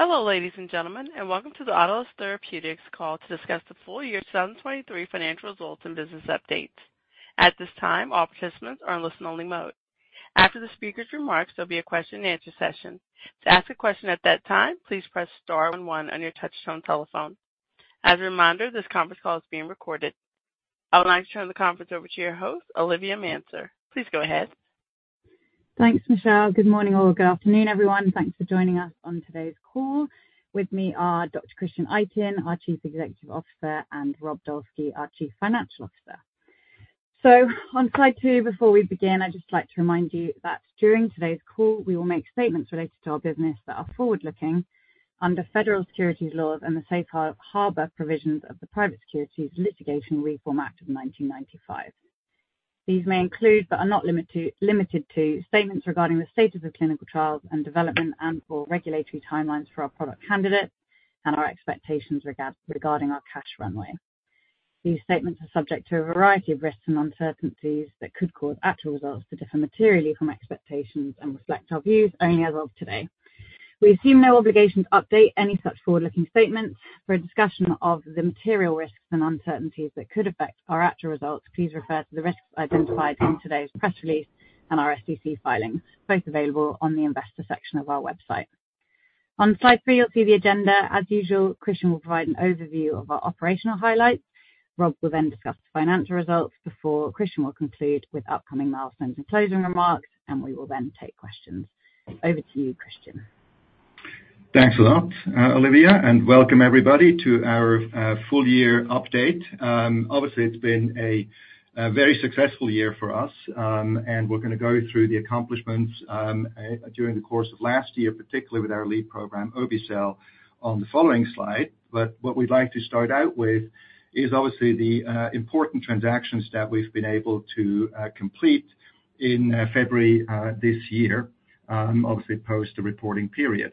Hello ladies and gentlemen, and welcome to the Autolus Therapeutics call to discuss the full year 2023 financial results and business updates. At this time, all participants are in listen-only mode. After the speaker's remarks, there'll be a question-and-answer session. To ask a question at that time, please press star one one on your touch-tone telephone. As a reminder, this conference call is being recorded. I would like to turn the conference over to your host, Olivia Manser. Please go ahead. Thanks, Michelle. Good morning or good afternoon, everyone. Thanks for joining us on today's call. With me are Dr. Christian Itin, our Chief Executive Officer, and Rob Dolski, our Chief Financial Officer. On slide two, before we begin, I'd just like to remind you that during today's call, we will make statements related to our business that are forward-looking under federal securities laws and the Safe Harbor provisions of the Private Securities Litigation Reform Act of 1995. These may include but are not limited to statements regarding the status of clinical trials and development and/or regulatory timelines for our product candidates and our expectations regarding our cash runway. These statements are subject to a variety of risks and uncertainties that could cause actual results to differ materially from expectations and reflect our views only as of today. We assume no obligation to update any such forward-looking statements. For a discussion of the material risks and uncertainties that could affect our actual results, please refer to the risks identified in today's press release and SEC filings, both available on the investor section of our website. On slide three, you'll see the agenda. As usual, Christian will provide an overview of our operational highlights. Rob will then discuss the financial results before Christian will conclude with upcoming milestones and closing remarks, and we will then take questions. Over to you, Christian. Thanks a lot, Olivia, and welcome, everybody, to our full-year update. Obviously, it's been a very successful year for us, and we're going to go through the accomplishments during the course of last year, particularly with our lead program, Obe-cel, on the following slide. But what we'd like to start out with is, obviously, the important transactions that we've been able to complete in February this year, obviously, post the reporting period.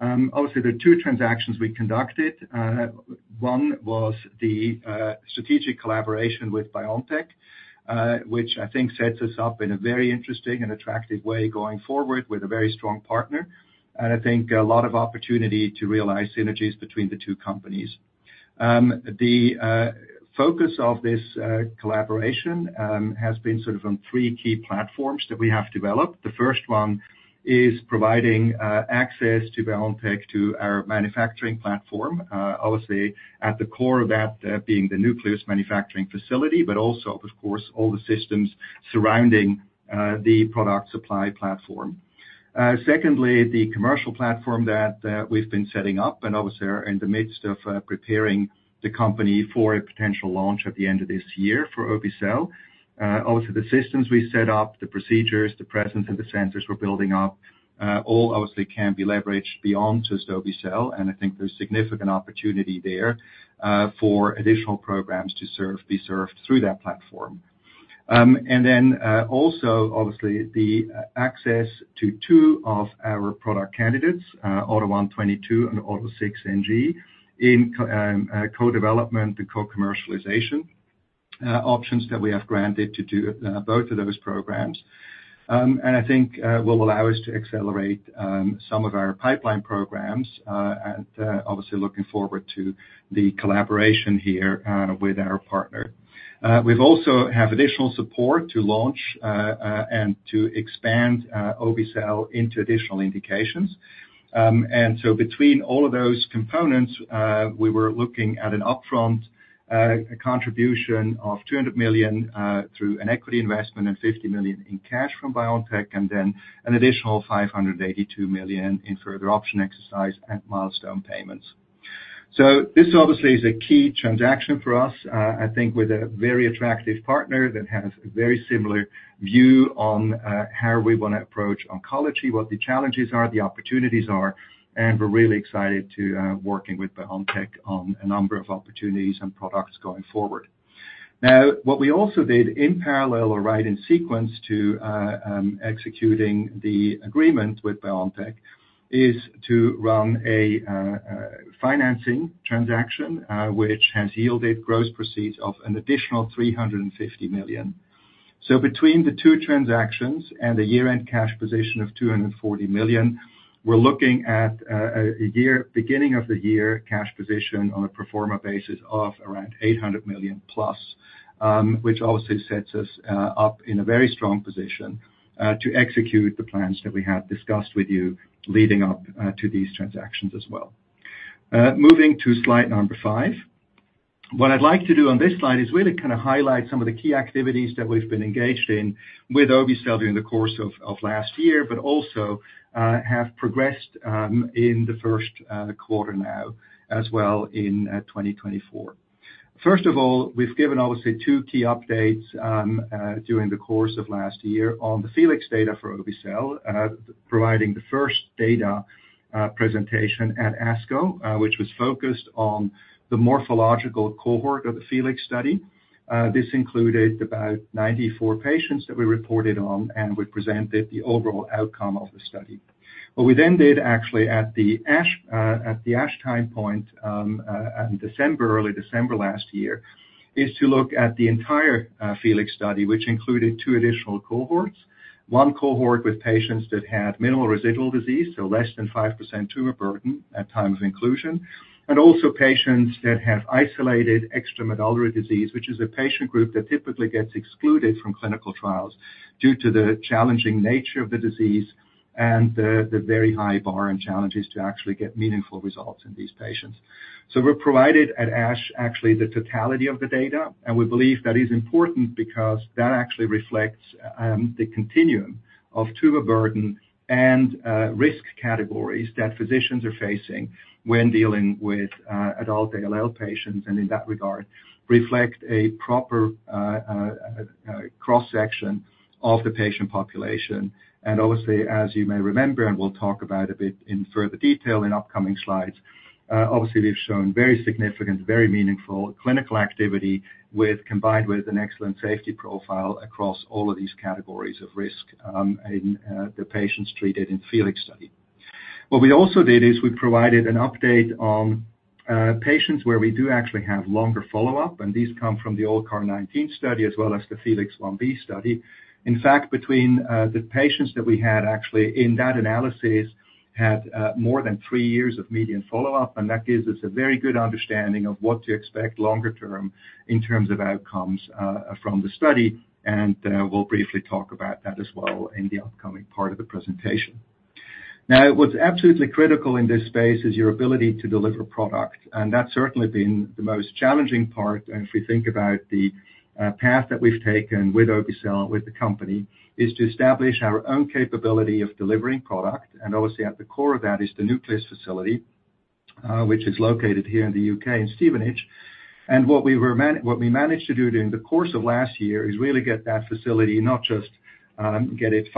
Obviously, there are two transactions we conducted. One was the strategic collaboration with BioNTech, which I think sets us up in a very interesting and attractive way going forward with a very strong partner, and I think a lot of opportunity to realize synergies between the two companies. The focus of this collaboration has been sort of on three key platforms that we have developed. The first one is providing access to BioNTech to our manufacturing platform, obviously, at the core of that being the Nucleus manufacturing facility, but also, of course, all the systems surrounding the product supply platform. Secondly, the commercial platform that we've been setting up, and obviously, we're in the midst of preparing the company for a potential launch at the end of this year for Obe-cel. Obviously, the systems we set up, the procedures, the presence, and the sensors we're building up all, obviously, can be leveraged beyond just Obe-cel, and I think there's significant opportunity there for additional programs to be served through that platform. Then also, obviously, the access to two of our product candidates, AUTO1/22 and AUTO6NG, in co-development and co-commercialization options that we have granted to BioNTech for both of those programs, and I think will allow us to accelerate some of our pipeline programs. Obviously, looking forward to the collaboration here with our partner. We also have additional support to launch and to expand Obe-cel into additional indications. So between all of those components, we were looking at an upfront contribution of $200 million through an equity investment and $50 million in cash from BioNTech, and then an additional $582 million in further option exercise and milestone payments. So this, obviously, is a key transaction for us, I think, with a very attractive partner that has a very similar view on how we want to approach oncology, what the challenges are, the opportunities are. We're really excited to be working with BioNTech on a number of opportunities and products going forward. Now, what we also did in parallel or right in sequence to executing the agreement with BioNTech is to run a financing transaction, which has yielded gross proceeds of an additional $350 million. Between the two transactions and the year-end cash position of $240 million, we're looking at a beginning of the year cash position on a pro forma basis of around $800 million plus, which obviously sets us up in a very strong position to execute the plans that we had discussed with you leading up to these transactions as well. Moving to slide five, what I'd like to do on this slide is really kind of highlight some of the key activities that we've been engaged in with Obe-cel during the course of last year, but also have progressed in the first quarter now as well in 2024. First of all, we've given, obviously, two key updates during the course of last year on the FELIX data for Obe-cel, providing the first data presentation at ASCO, which was focused on the morphological cohort of the FELIX study. This included about 94 patients that we reported on, and we presented the overall outcome of the study. What we then did, actually, at the ASH time point in early December last year, is to look at the entire FELIX study, which included two additional cohorts: one cohort with patients that had minimal residual disease, so less than 5% tumor burden at time of inclusion, and also patients that have isolated extramedullary disease, which is a patient group that typically gets excluded from clinical trials due to the challenging nature of the disease and the very high bar and challenges to actually get meaningful results in these patients. So we provided at ASH, actually, the totality of the data, and we believe that is important because that actually reflects the continuum of tumor burden and risk categories that physicians are facing when dealing with adult ALL patients and, in that regard, reflect a proper cross-section of the patient population. Obviously, as you may remember, and we'll talk about a bit in further detail in upcoming slides, obviously, we've shown very significant, very meaningful clinical activity combined with an excellent safety profile across all of these categories of risk in the patients treated in the FELIX study. What we also did is we provided an update on patients where we do actually have longer follow-up, and these come from the old CAR19 study as well as the FELIX 1b study. In fact, between the patients that we had, actually, in that analysis had more than three years of median follow-up, and that gives us a very good understanding of what to expect longer-term in terms of outcomes from the study. And we'll briefly talk about that as well in the upcoming part of the presentation. Now, what's absolutely critical in this space is your ability to deliver product, and that's certainly been the most challenging part. And if we think about the path that we've taken with Obe-cel, with the company, is to establish our own capability of delivering product. And obviously, at the core of that is the Nucleus facility, which is located here in the U.K. in Stevenage. And what we managed to do during the course of last year is really get that facility, not just get it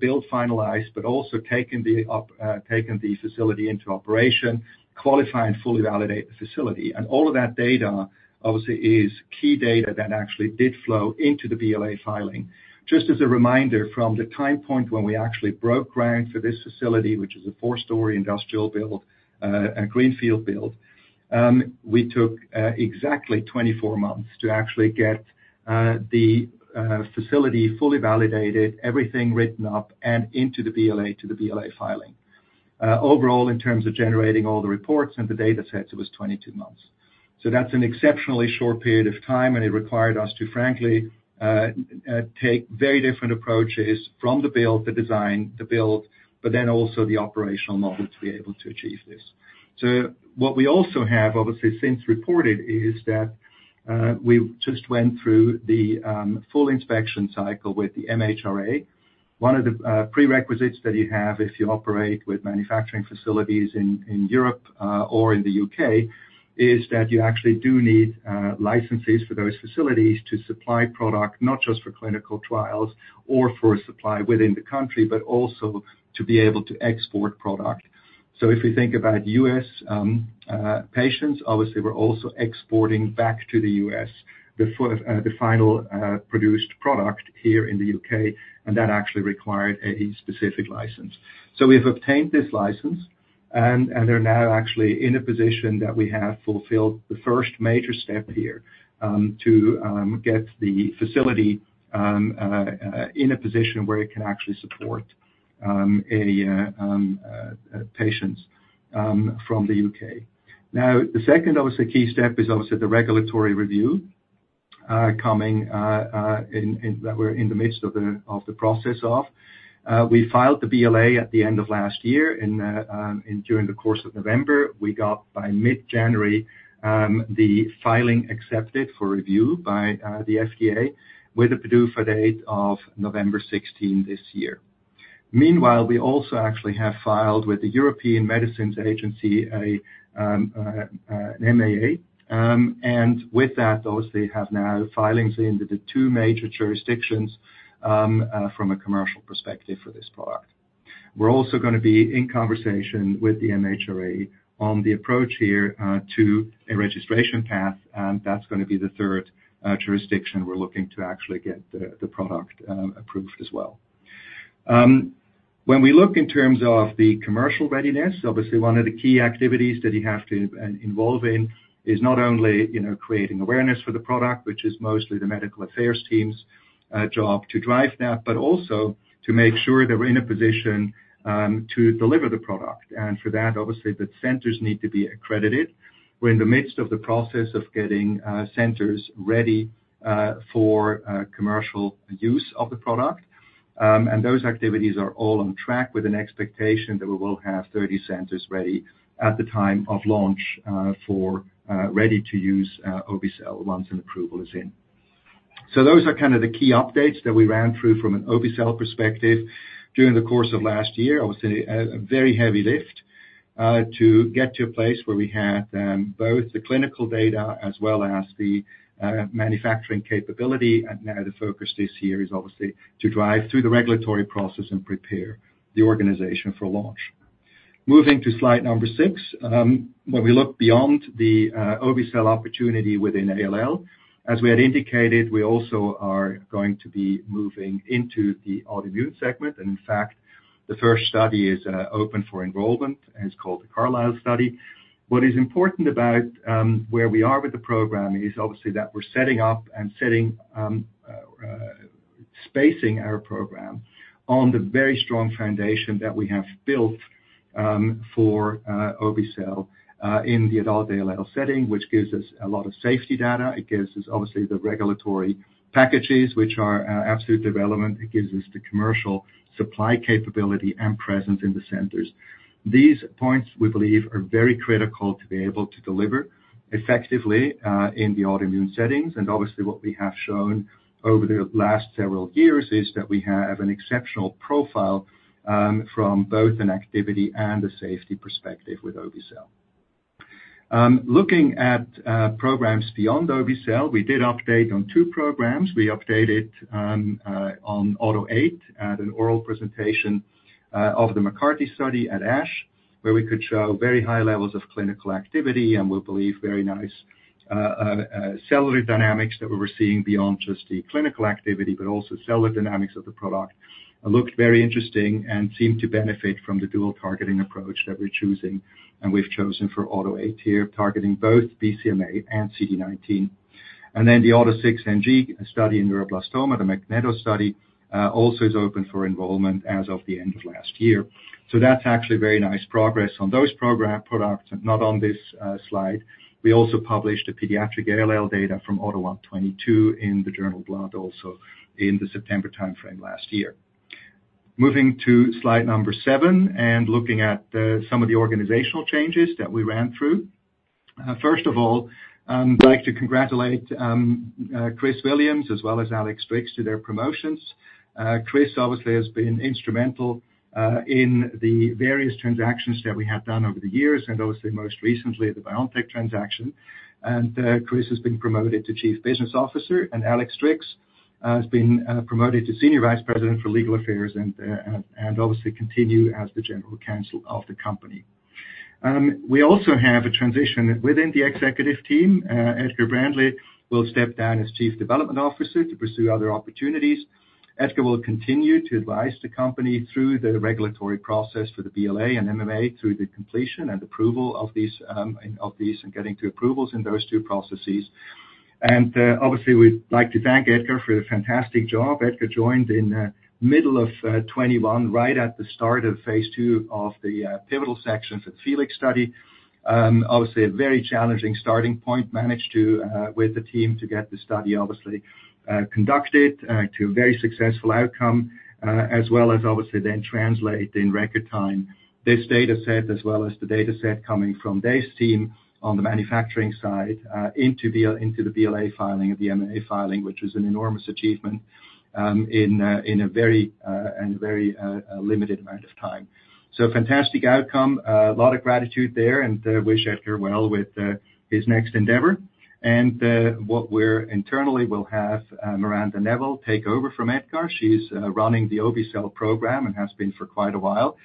built finalized, but also taken the facility into operation, qualify and fully validate the facility. And all of that data, obviously, is key data that actually did flow into the BLA filing. Just as a reminder, from the time point when we actually broke ground for this facility, which is a 4-story industrial build, a greenfield build, we took exactly 24 months to actually get the facility fully validated, everything written up, and into the BLA, to the BLA filing. Overall, in terms of generating all the reports and the data sets, it was 22 months. So that's an exceptionally short period of time, and it required us to, frankly, take very different approaches from the build, the design, the build, but then also the operational model to be able to achieve this. So what we also have, obviously, since reported, is that we just went through the full inspection cycle with the MHRA. One of the prerequisites that you have if you operate with manufacturing facilities in Europe or in the U.K. is that you actually do need licenses for those facilities to supply product, not just for clinical trials or for supply within the country, but also to be able to export product. So if we think about U.S. patients, obviously, we're also exporting back to the U.S. the final produced product here in the U.K., and that actually required a specific license. So we have obtained this license, and they're now actually in a position that we have fulfilled the first major step here to get the facility in a position where it can actually support patients from the U.K. Now, the second, obviously, key step is, obviously, the regulatory review coming that we're in the midst of the process of. We filed the BLA at the end of last year during the course of November. We got, by mid-January, the filing accepted for review by the FDA with a PDUFA date of November 16 this year. Meanwhile, we also actually have filed with the European Medicines Agency an MAA. And with that, obviously, we have now filings in the two major jurisdictions from a commercial perspective for this product. We're also going to be in conversation with the MHRA on the approach here to a registration path, and that's going to be the third jurisdiction we're looking to actually get the product approved as well. When we look in terms of the commercial readiness, obviously, one of the key activities that you have to involve in is not only creating awareness for the product, which is mostly the medical affairs team's job to drive that, but also to make sure that we're in a position to deliver the product. For that, obviously, the centers need to be accredited. We're in the midst of the process of getting centers ready for commercial use of the product, and those activities are all on track with an expectation that we will have 30 centers ready at the time of launch for ready-to-use Obe-cel once an approval is in. Those are kind of the key updates that we ran through from an Obe-cel perspective during the course of last year. It was a very heavy lift to get to a place where we had both the clinical data as well as the manufacturing capability. Now the focus this year is, obviously, to drive through the regulatory process and prepare the organization for launch. Moving to slide six, when we look beyond the Obe-cel opportunity within ALL, as we had indicated, we also are going to be moving into the autoimmune segment. In fact, the first study is open for enrollment and is called the CARLSYLE study. What is important about where we are with the program is, obviously, that we're setting up and spacing our program on the very strong foundation that we have built for Obe-cel in the adult ALL setting, which gives us a lot of safety data. It gives us, obviously, the regulatory packages, which are absolute development. It gives us the commercial supply capability and presence in the centers. These points, we believe, are very critical to be able to deliver effectively in the autoimmune settings. Obviously, what we have shown over the last several years is that we have an exceptional profile from both an activity and a safety perspective with Obe-cel. Looking at programs beyond Obe-cel, we did update on two programs. We updated on AUTO8 at an oral presentation of the MCARTY study at ASH, where we could show very high levels of clinical activity. We believe very nice cellular dynamics that we were seeing beyond just the clinical activity, but also cellular dynamics of the product, looked very interesting and seemed to benefit from the dual targeting approach that we're choosing and we've chosen for AUTO8 here, targeting both BCMA and CD19. And then the AUTO6NG study in neuroblastoma, the MAGNETO study, also is open for enrollment as of the end of last year. So that's actually very nice progress on those products, not on this slide. We also published the pediatric ALL data from AUTO1/22 in the journal Blood also in the September time frame last year. Moving to slide number seven and looking at some of the organizational changes that we ran through, first of all, I'd like to congratulate Chris Williams as well as Alex Sterry to their promotions. Chris, obviously, has been instrumental in the various transactions that we had done over the years, and obviously, most recently, the BioNTech transaction. And Chris has been promoted to Chief Business Officer, and Alex Sterry has been promoted to Senior Vice President for Legal Affairs and, obviously, continue as the General Counsel of the company. We also have a transition within the executive team. Edgar E. Braendle will step down as Chief Development Officer to pursue other opportunities. Edgar will continue to advise the company through the regulatory process for the BLA and MAA through the completion and approval of these and getting to approvals in those two processes. And obviously, we'd like to thank Edgar for the fantastic job. Edgar joined in the middle of 2021, right at the start of phase ll of the pivotal sections of the FELIX study. Obviously, a very challenging starting point. Managed with the team to get the study, obviously, conducted to a very successful outcome, as well as, obviously, then translate in record time this data set as well as the data set coming from Dave's team on the manufacturing side into the BLA filing and the MAA filing, which was an enormous achievement in a very limited amount of time. Fantastic outcome. A lot of gratitude there, and wish Edgar well with his next endeavor. Internally, we'll have Miranda Neville take over from Edgar. She's running the Obe-cel program and has been for quite a while,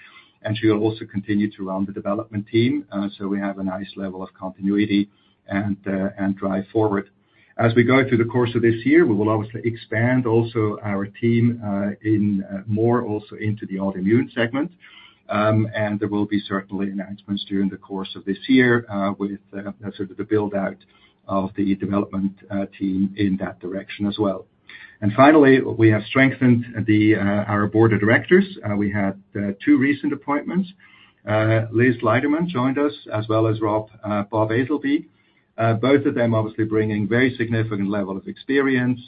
and she will also continue to run the development team. We have a nice level of continuity and drive forward. As we go through the course of this year, we will, obviously, expand also our team more also into the autoimmune segment. There will be certainly announcements during the course of this year with sort of the build-out of the development team in that direction as well. Finally, we have strengthened our board of directors. We had two recent appointments. Liz Leiderman joined us as well as Bob Azelby, both of them, obviously, bringing very significant level of experience.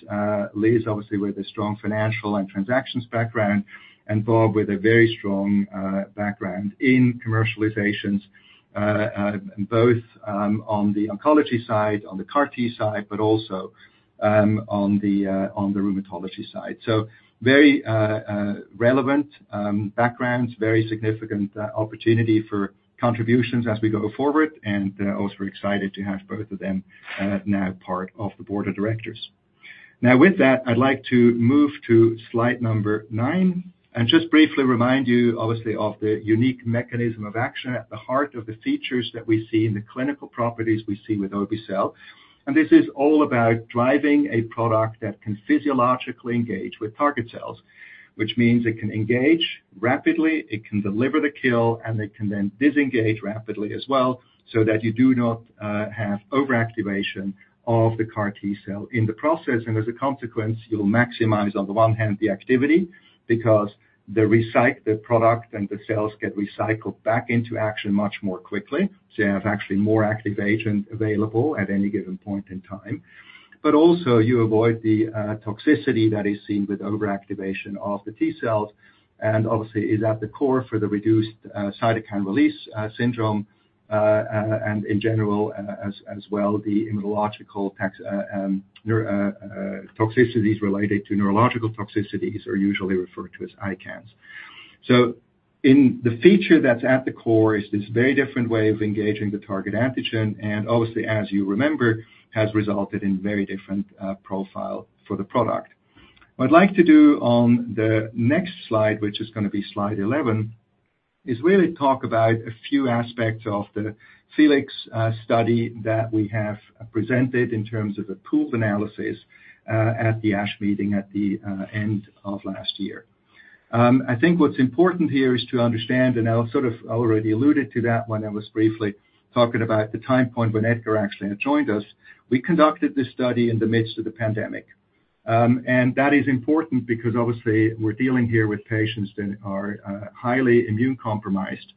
Liz, obviously, with a strong financial and transactions background, and Bob with a very strong background in commercializations, both on the oncology side, on the CAR-T side, but also on the rheumatology side. So very relevant backgrounds, very significant opportunity for contributions as we go forward, and also excited to have both of them now part of the board of directors. Now, with that, I'd like to move to slide number 9 and just briefly remind you, obviously, of the unique mechanism of action at the heart of the features that we see in the clinical properties we see with Obe-cel. And this is all about driving a product that can physiologically engage with target cells, which means it can engage rapidly, it can deliver the kill, and it can then disengage rapidly as well so that you do not have overactivation of the CAR-T cell in the process. And as a consequence, you'll maximize, on the one hand, the activity because the product and the cells get recycled back into action much more quickly. So you have actually more active agent available at any given point in time. But also, you avoid the toxicity that is seen with overactivation of the T cells and, obviously, is at the core for the reduced cytokine release syndrome and, in general, as well, the immunological toxicities related to neurological toxicities are usually referred to as ICANS. So the feature that's at the core is this very different way of engaging the target antigen and, obviously, as you remember, has resulted in very different profile for the product. What I'd like to do on the next slide, which is going to be slide 11, is really talk about a few aspects of the FELIX study that we have presented in terms of a pooled analysis at the ASH meeting at the end of last year. I think what's important here is to understand, and I sort of already alluded to that when I was briefly talking about the time point when Edgar actually had joined us. We conducted this study in the midst of the pandemic. And that is important because, obviously, we're dealing here with patients that are highly immune compromised,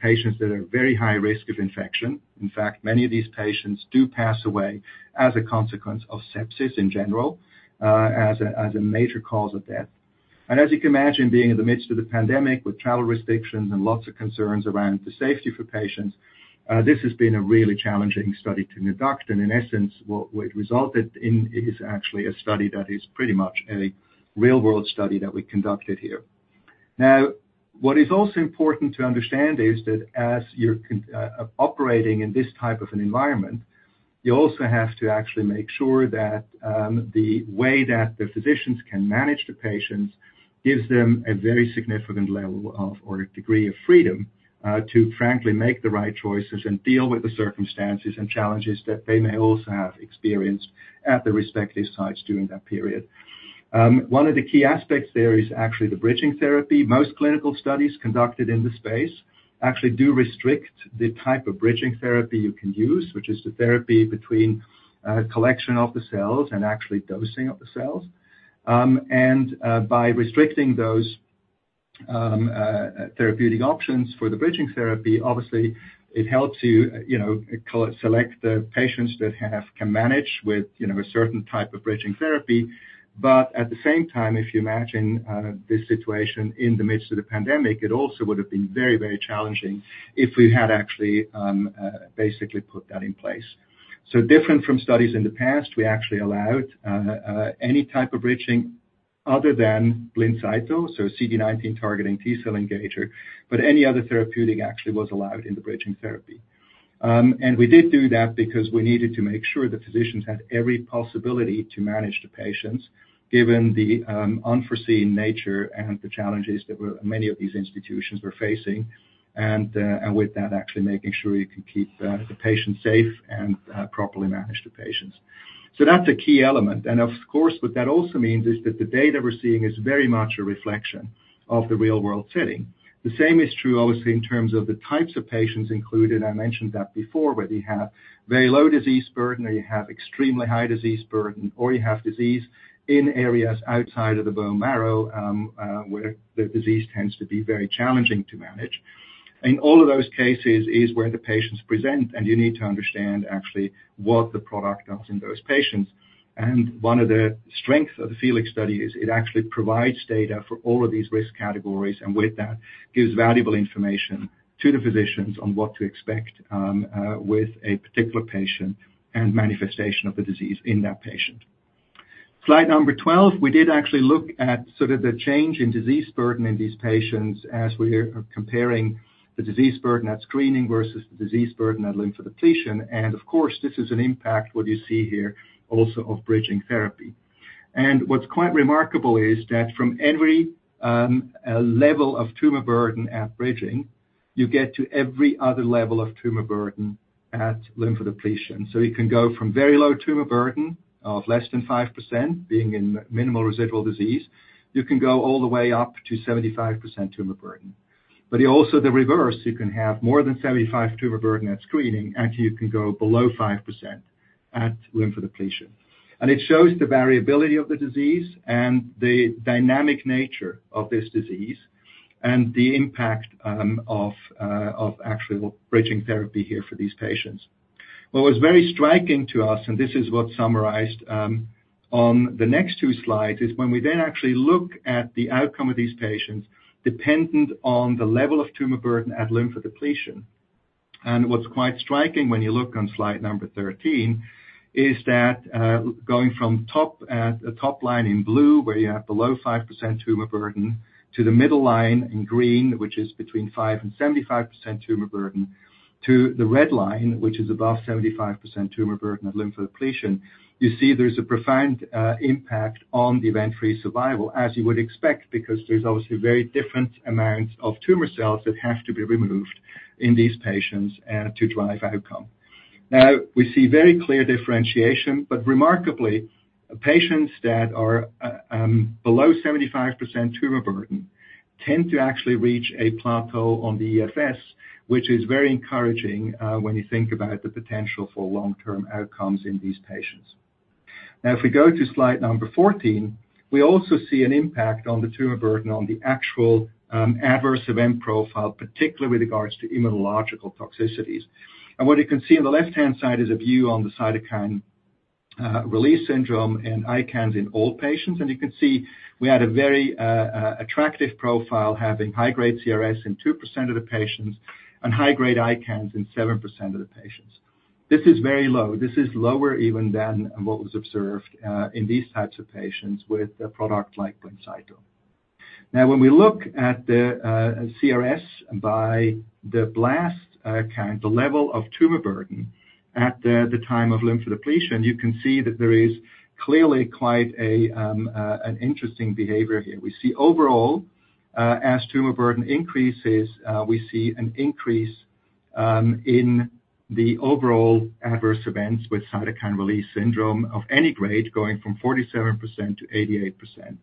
patients that are very high risk of infection. In fact, many of these patients do pass away as a consequence of sepsis in general as a major cause of death. And as you can imagine, being in the midst of the pandemic with travel restrictions and lots of concerns around the safety for patients, this has been a really challenging study to conduct. And in essence, what it resulted in is actually a study that is pretty much a real-world study that we conducted here. Now, what is also important to understand is that as you're operating in this type of an environment, you also have to actually make sure that the way that the physicians can manage the patients gives them a very significant level of or degree of freedom to, frankly, make the right choices and deal with the circumstances and challenges that they may also have experienced at their respective sites during that period. One of the key aspects there is actually the bridging therapy. Most clinical studies conducted in the space actually do restrict the type of bridging therapy you can use, which is the therapy between collection of the cells and actually dosing of the cells. By restricting those therapeutic options for the bridging therapy, obviously, it helps you select the patients that can manage with a certain type of bridging therapy. But at the same time, if you imagine this situation in the midst of the pandemic, it also would have been very, very challenging if we had actually basically put that in place. So different from studies in the past, we actually allowed any type of bridging other than Blincyto, so CD19 targeting T cell engager, but any other therapeutic actually was allowed in the bridging therapy. And we did do that because we needed to make sure the physicians had every possibility to manage the patients given the unforeseen nature and the challenges that many of these institutions were facing and with that, actually making sure you can keep the patients safe and properly manage the patients. So that's a key element. And of course, what that also means is that the data we're seeing is very much a reflection of the real-world setting. The same is true, obviously, in terms of the types of patients included. I mentioned that before where you have very low disease burden or you have extremely high disease burden or you have disease in areas outside of the bone marrow where the disease tends to be very challenging to manage. In all of those cases is where the patients present, and you need to understand actually what the product does in those patients. And one of the strengths of the FELIX study is it actually provides data for all of these risk categories and with that, gives valuable information to the physicians on what to expect with a particular patient and manifestation of the disease in that patient. Slide number 12, we did actually look at sort of the change in disease burden in these patients as we are comparing the disease burden at screening versus the disease burden at lymphodepletion. And of course, this is an impact, what you see here, also of bridging therapy. And what's quite remarkable is that from every level of tumor burden at bridging, you get to every other level of tumor burden at lymphodepletion. So you can go from very low tumor burden of less than 5% being in minimal residual disease, you can go all the way up to 75% tumor burden. But also the reverse, you can have more than 75% tumor burden at screening and you can go below 5% at lymphodepletion. And it shows the variability of the disease and the dynamic nature of this disease and the impact of actual bridging therapy here for these patients. What was very striking to us, and this is what's summarized on the next two slides, is when we then actually look at the outcome of these patients dependent on the level of tumor burden at lymphodepletion. What's quite striking when you look on slide number 13 is that going from the top line in blue where you have below 5% tumor burden to the middle line in green, which is between 5%-75% tumor burden, to the red line, which is above 75% tumor burden at lymphodepletion, you see there's a profound impact on the event-free survival as you would expect because there's, obviously, very different amounts of tumor cells that have to be removed in these patients to drive outcome. Now, we see very clear differentiation, but remarkably, patients that are below 75% tumor burden tend to actually reach a plateau on the EFS, which is very encouraging when you think about the potential for long-term outcomes in these patients. Now, if we go to slide number 14, we also see an impact on the tumor burden on the actual adverse event profile, particularly with regards to immunological toxicities. And what you can see on the left-hand side is a view on the cytokine release syndrome and ICANS in all patients. And you can see we had a very attractive profile having high-grade CRS in 2% of the patients and high-grade ICANS in 7% of the patients. This is very low. This is lower even than what was observed in these types of patients with a product like Blincyto. Now, when we look at the CRS by the blast count, the level of tumor burden at the time of lymphodepletion, you can see that there is clearly quite an interesting behavior here. We see overall, as tumor burden increases, we see an increase in the overall adverse events with cytokine release syndrome of any grade going from 47% to 88%.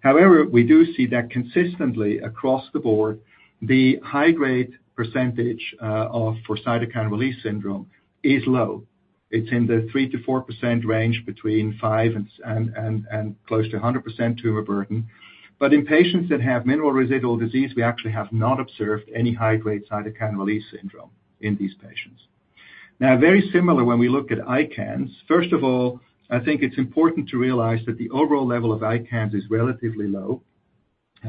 However, we do see that consistently across the board, the high-grade percentage for cytokine release syndrome is low. It's in the 3%-4% range between 5% and close to 100% tumor burden. But in patients that have minimal residual disease, we actually have not observed any high-grade cytokine release syndrome in these patients. Now, very similar when we look at ICANS, first of all, I think it's important to realize that the overall level of ICANS is relatively low,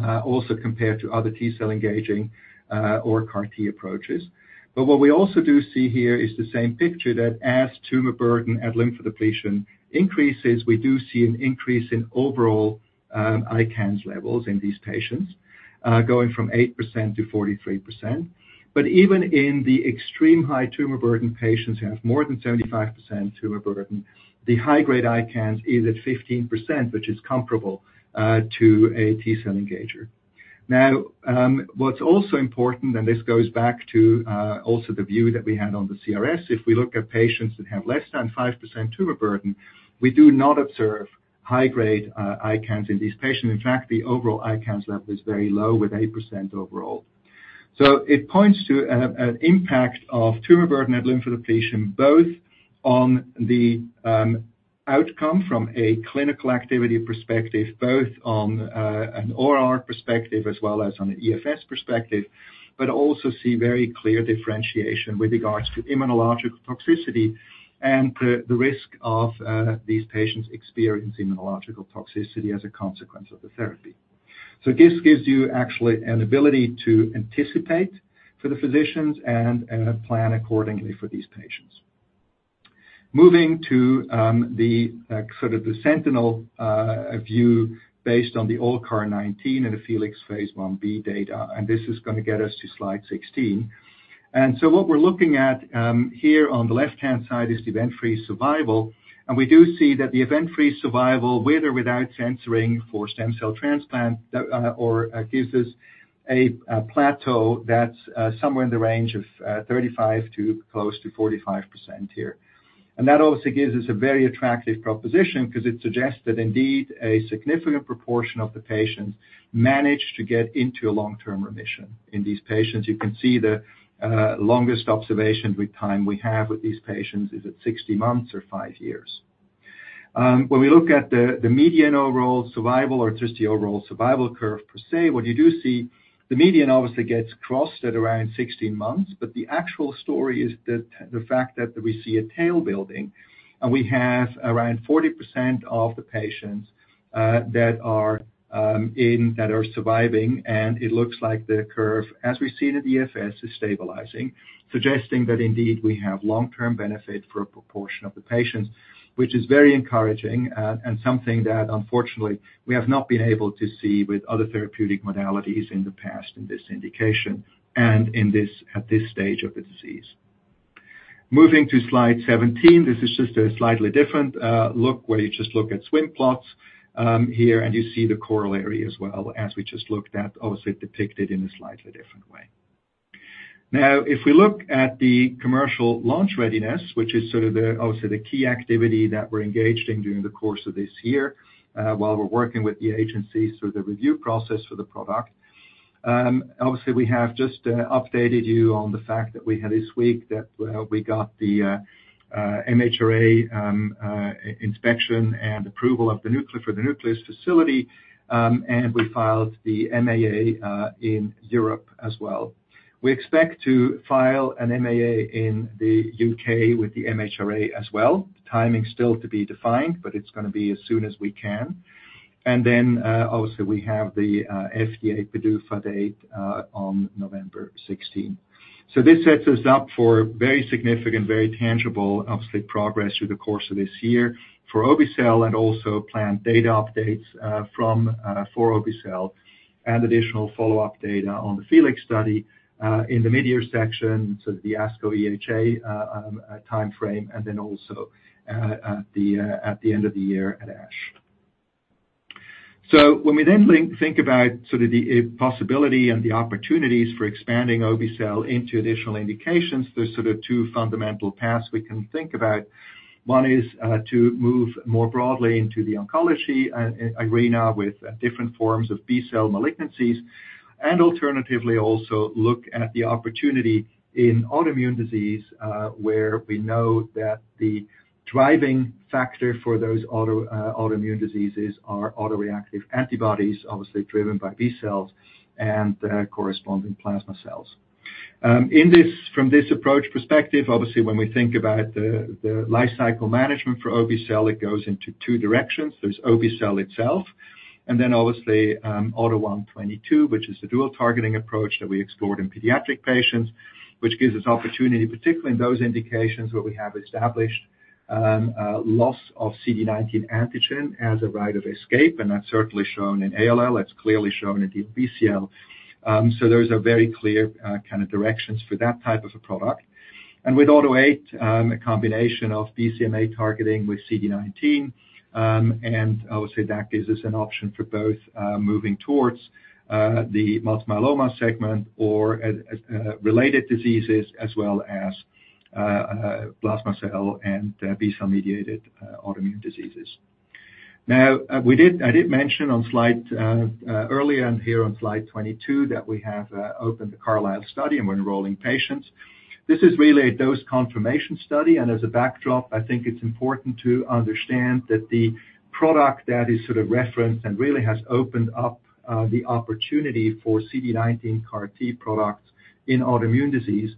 also compared to other T cell engaging or CAR-T approaches. But what we also do see here is the same picture that as tumor burden at lymphodepletion increases, we do see an increase in overall ICANS levels in these patients going from 8% to 43%. But even in the extreme high tumor burden patients who have more than 75% tumor burden, the high-grade ICANS is at 15%, which is comparable to a T cell engager. Now, what's also important, and this goes back to also the view that we had on the CRS, if we look at patients that have less than 5% tumor burden, we do not observe high-grade ICANS in these patients. In fact, the overall ICANS level is very low with 8% overall. So it points to an impact of tumor burden at lymphodepletion both on the outcome from a clinical activity perspective, both on an ORR perspective as well as on an EFS perspective, but also see very clear differentiation with regards to immunological toxicity and the risk of these patients experience immunological toxicity as a consequence of the therapy. So this gives you actually an ability to anticipate for the physicians and plan accordingly for these patients. Moving to sort of the sentinel view based on the Obe-cel CAR-19 and the FELIX phase 1b data, and this is going to get us to slide 16. And so what we're looking at here on the left-hand side is the event-free survival. We do see that the event-free survival, with or without censoring for stem cell transplant, gives us a plateau that's somewhere in the range of 35%-close to 45% here. That, obviously, gives us a very attractive proposition because it suggests that indeed a significant proportion of the patients manage to get into a long-term remission. In these patients, you can see the longest observation with time we have with these patients is at 60 months or five years. When we look at the median overall survival or just the overall survival curve per se, what you do see, the median, obviously, gets crossed at around 16 months. The actual story is the fact that we see a tail building, and we have around 40% of the patients that are surviving. It looks like the curve, as we see in the EFS, is stabilizing, suggesting that indeed we have long-term benefit for a proportion of the patients, which is very encouraging and something that, unfortunately, we have not been able to see with other therapeutic modalities in the past in this indication and at this stage of the disease. Moving to slide 17, this is just a slightly different look where you just look at swim plots here, and you see the corollary as well as we just looked at, obviously, depicted in a slightly different way. Now, if we look at the commercial launch readiness, which is sort of, obviously, the key activity that we're engaged in during the course of this year while we're working with the agency through the review process for the product, obviously, we have just updated you on the fact that we had this week that we got the MHRA inspection and approval for the Nucleus facility, and we filed the MAA in Europe as well. We expect to file an MAA in the U.K. with the MHRA as well. The timing's still to be defined, but it's going to be as soon as we can. And then, obviously, we have the FDA PDUFA date on November 16. So this sets us up for very significant, very tangible, obviously, progress through the course of this year for Obe-cel and also planned data updates for Obe-cel and additional follow-up data on the FELIX study in the mid-year section, so the ASCO/EHA timeframe, and then also at the end of the year at ASH. So when we then think about sort of the possibility and the opportunities for expanding Obe-cel into additional indications, there's sort of two fundamental paths we can think about. One is to move more broadly into the oncology arena with different forms of B cell malignancies and alternatively also look at the opportunity in autoimmune disease where we know that the driving factor for those autoimmune diseases are autoreactive antibodies, obviously, driven by B cells and corresponding plasma cells. From this approach perspective, obviously, when we think about the lifecycle management for Obe-cel, it goes into two directions. There's Obe-cel itself and then, obviously, AUTO1/22, which is the dual-targeting approach that we explored in pediatric patients, which gives us opportunity, particularly in those indications where we have established loss of CD19 antigen as a route of escape. And that's certainly shown in ALL. That's clearly shown in the Obe-cel. So those are very clear kind of directions for that type of a product. And with AUTO8, a combination of BCMA targeting with CD19, and obviously, that gives us an option for both moving towards the multiple myeloma segment or related diseases as well as plasma cell and B cell-mediated autoimmune diseases. Now, I did mention on slide earlier and here on slide 22 that we have opened the CARLSYLE study and we're enrolling patients. This is really a dose confirmation study. As a backdrop, I think it's important to understand that the product that is sort of referenced and really has opened up the opportunity for CD19 CAR T products in autoimmune disease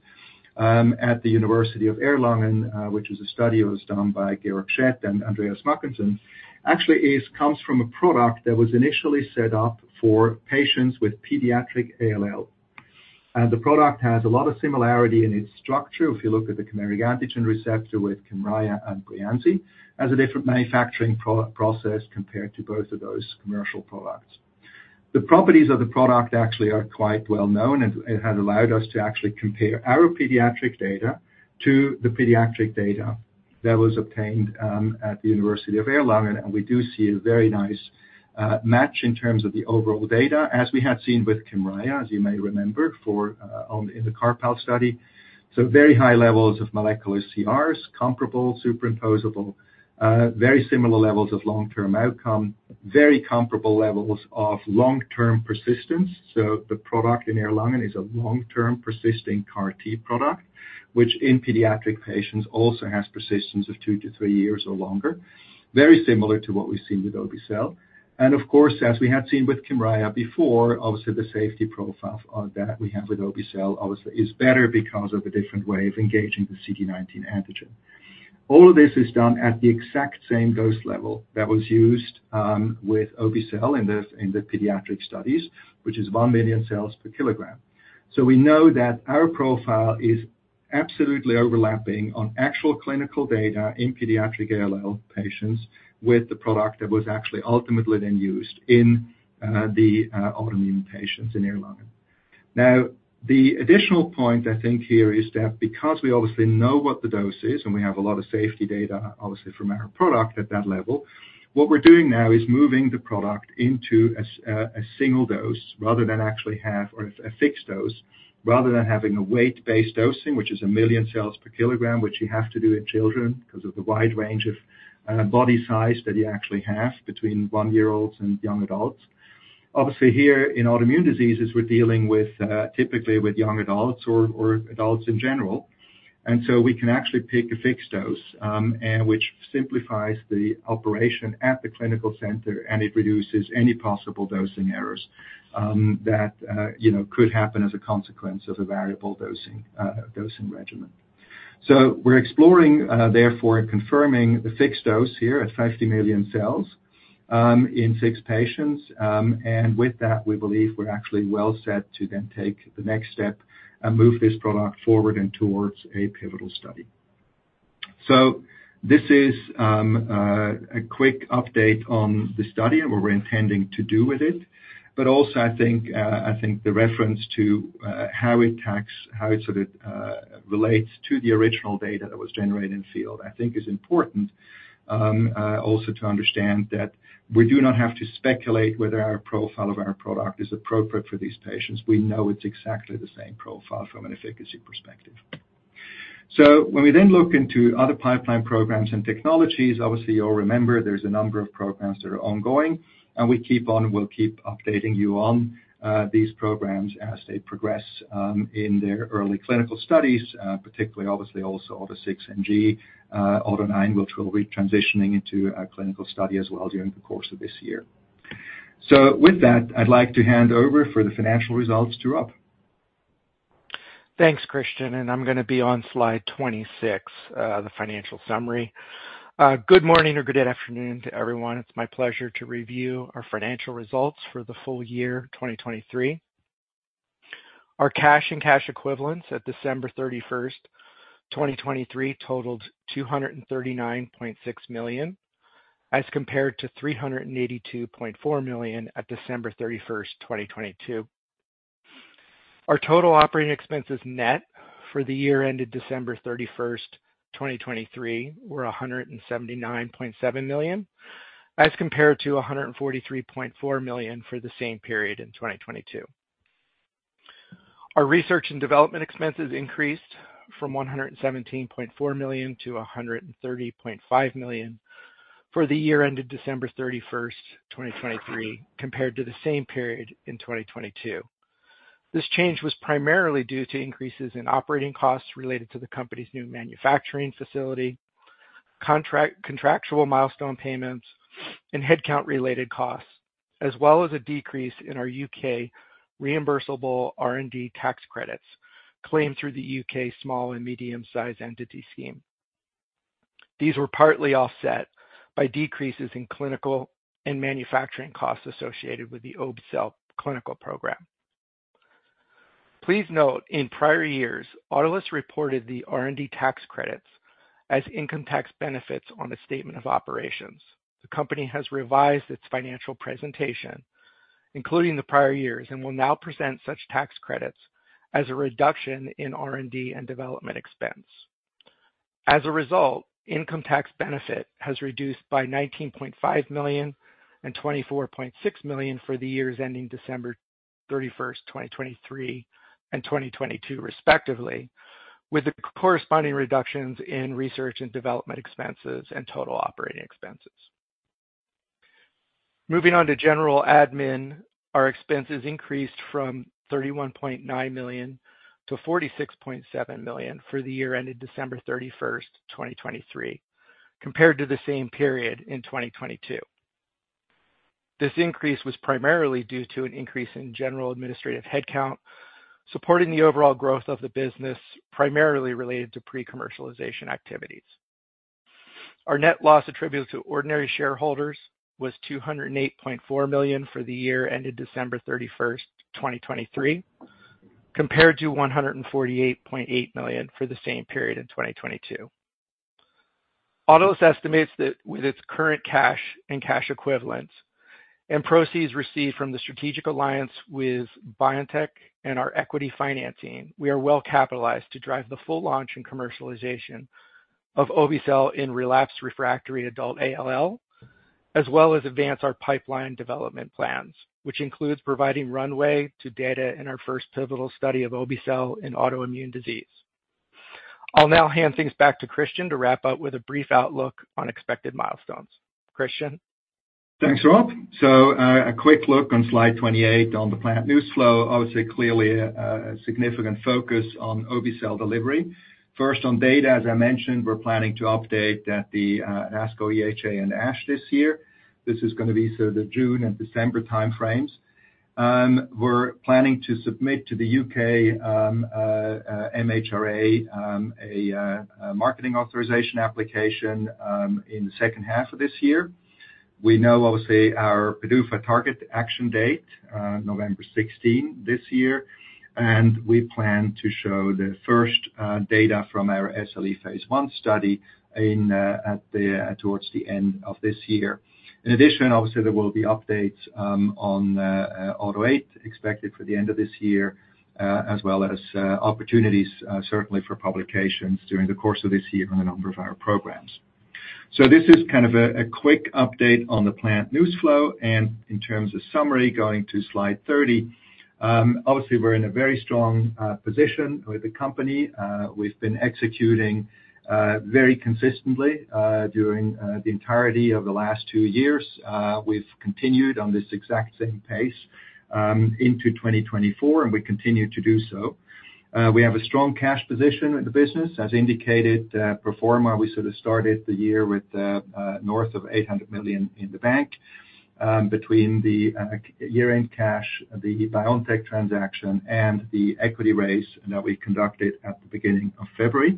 at the University of Erlangen-Nuremberg, which was a study that was done by Georg Schett and Andreas Mackensen, actually comes from a product that was initially set up for patients with Pediatric ALL. The product has a lot of similarity in its structure if you look at the chimeric antigen receptor with Kymriah and Breyanzi, as a different manufacturing process compared to both of those commercial products. The properties of the product actually are quite well known, and it has allowed us to actually compare our pediatric data to the pediatric data that was obtained at the University of Erlangen-Nuremberg. We do see a very nice match in terms of the overall data as we had seen with Kymriah, as you may remember, in the CARPALL study. Very high levels of molecular CRs, comparable, superimposable, very similar levels of long-term outcome, very comparable levels of long-term persistence. The product in Erlangen is a long-term persisting CAR-T product, which in pediatric patients also has persistence of two to three years or longer, very similar to what we've seen with Obe-cel. Of course, as we had seen with Kymriah before, obviously, the safety profile that we have with Obe-cel, obviously, is better because of a different way of engaging the CD19 antigen. All of this is done at the exact same dose level that was used with Obe-cel in the pediatric studies, which is 1 million cells per kilogram. So we know that our profile is absolutely overlapping on actual clinical data in pediatric ALL patients with the product that was actually ultimately then used in the autoimmune patients in Erlangen. Now, the additional point, I think, here is that because we obviously know what the dose is and we have a lot of safety data, obviously, from our product at that level, what we're doing now is moving the product into a single dose rather than actually have or a fixed dose rather than having a weight-based dosing, which is 1 million cells per kilogram, which you have to do in children because of the wide range of body size that you actually have between one-year-olds and young adults. Obviously, here in autoimmune diseases, we're dealing typically with young adults or adults in general. And so we can actually pick a fixed dose, which simplifies the operation at the clinical center, and it reduces any possible dosing errors that could happen as a consequence of a variable dosing regimen. So we're exploring, therefore, and confirming the fixed dose here at 50 million cells in six patients. And with that, we believe we're actually well set to then take the next step and move this product forward and towards a pivotal study. So this is a quick update on the study and what we're intending to do with it. But also, I think the reference to how it sort of relates to the original data that was generated in field, I think, is important also to understand that we do not have to speculate whether our profile of our product is appropriate for these patients. We know it's exactly the same profile from an efficacy perspective. So when we then look into other pipeline programs and technologies, obviously, you all remember there's a number of programs that are ongoing. We keep on and we'll keep updating you on these programs as they progress in their early clinical studies, particularly, obviously, also AUTO6NG, AUTO9, which we'll be transitioning into a clinical study as well during the course of this year. With that, I'd like to hand over for the financial results to Rob. Thanks, Christian. And I'm going to be on slide 26, the financial summary. Good morning or good afternoon to everyone. It's my pleasure to review our financial results for the full year 2023. Our cash and cash equivalents at December 31st, 2023, totaled $239.6 million as compared to $382.4 million at December 31st, 2022. Our total operating expenses net for the year ended December 31st, 2023, were $179.7 million as compared to $143.4 million for the same period in 2022. Our research and development expenses increased from $117.4 million to $130.5 million for the year ended December 31st, 2023, compared to the same period in 2022. This change was primarily due to increases in operating costs related to the company's new manufacturing facility, contractual milestone payments, and headcount-related costs, as well as a decrease in our U.K. reimbursable R&D tax credits claimed through the U.K. Small and Medium-Sized Entity Scheme. These were partly offset by decreases in clinical and manufacturing costs associated with the Obe-cel clinical program. Please note, in prior years, Autolus reported the R&D tax credits as income tax benefits on a statement of operations. The company has revised its financial presentation, including the prior years, and will now present such tax credits as a reduction in R&D and development expense. As a result, income tax benefit has reduced by $19.5 million and $24.6 million for the years ending December 31st, 2023, and 2022, respectively, with the corresponding reductions in research and development expenses and total operating expenses. Moving on to general admin, our expenses increased from $31.9 million to $46.7 million for the year ended December 31st, 2023, compared to the same period in 2022. This increase was primarily due to an increase in general administrative headcount supporting the overall growth of the business, primarily related to pre-commercialization activities. Our net loss attributed to ordinary shareholders was $208.4 million for the year ended December 31st, 2023, compared to $148.8 million for the same period in 2022. Autolus estimates that with its current cash and cash equivalents and proceeds received from the strategic alliance with BioNTech and our equity financing, we are well capitalized to drive the full launch and commercialization of Obe-cel in relapsed refractory adult ALL, as well as advance our pipeline development plans, which includes providing runway to data in our first pivotal study of Obe-cel in autoimmune disease. I'll now hand things back to Christian to wrap up with a brief outlook on expected milestones. Christian? Thanks, Rob. So a quick look on slide 28 on the planned news flow, obviously, clearly a significant focus on Obe-cel delivery. First, on data, as I mentioned, we're planning to update at ASCO/EHA and ASH this year. This is going to be sort of the June and December timeframes. We're planning to submit to the U.K. MHRA a marketing authorization application in the second half of this year. We know, obviously, our PDUFA target action date, November 16 this year, and we plan to show the first data from our SLE phase l study towards the end of this year. In addition, obviously, there will be updates on Auto8 expected for the end of this year, as well as opportunities, certainly, for publications during the course of this year on a number of our programs. So this is kind of a quick update on the planned news flow. In terms of summary, going to slide 30, obviously, we're in a very strong position with the company. We've been executing very consistently during the entirety of the last two years. We've continued on this exact same pace into 2024, and we continue to do so. We have a strong cash position in the business. As indicated, pro forma, we sort of started the year with north of $800 million in the bank between the year-end cash, the BioNTech transaction, and the equity raise that we conducted at the beginning of February.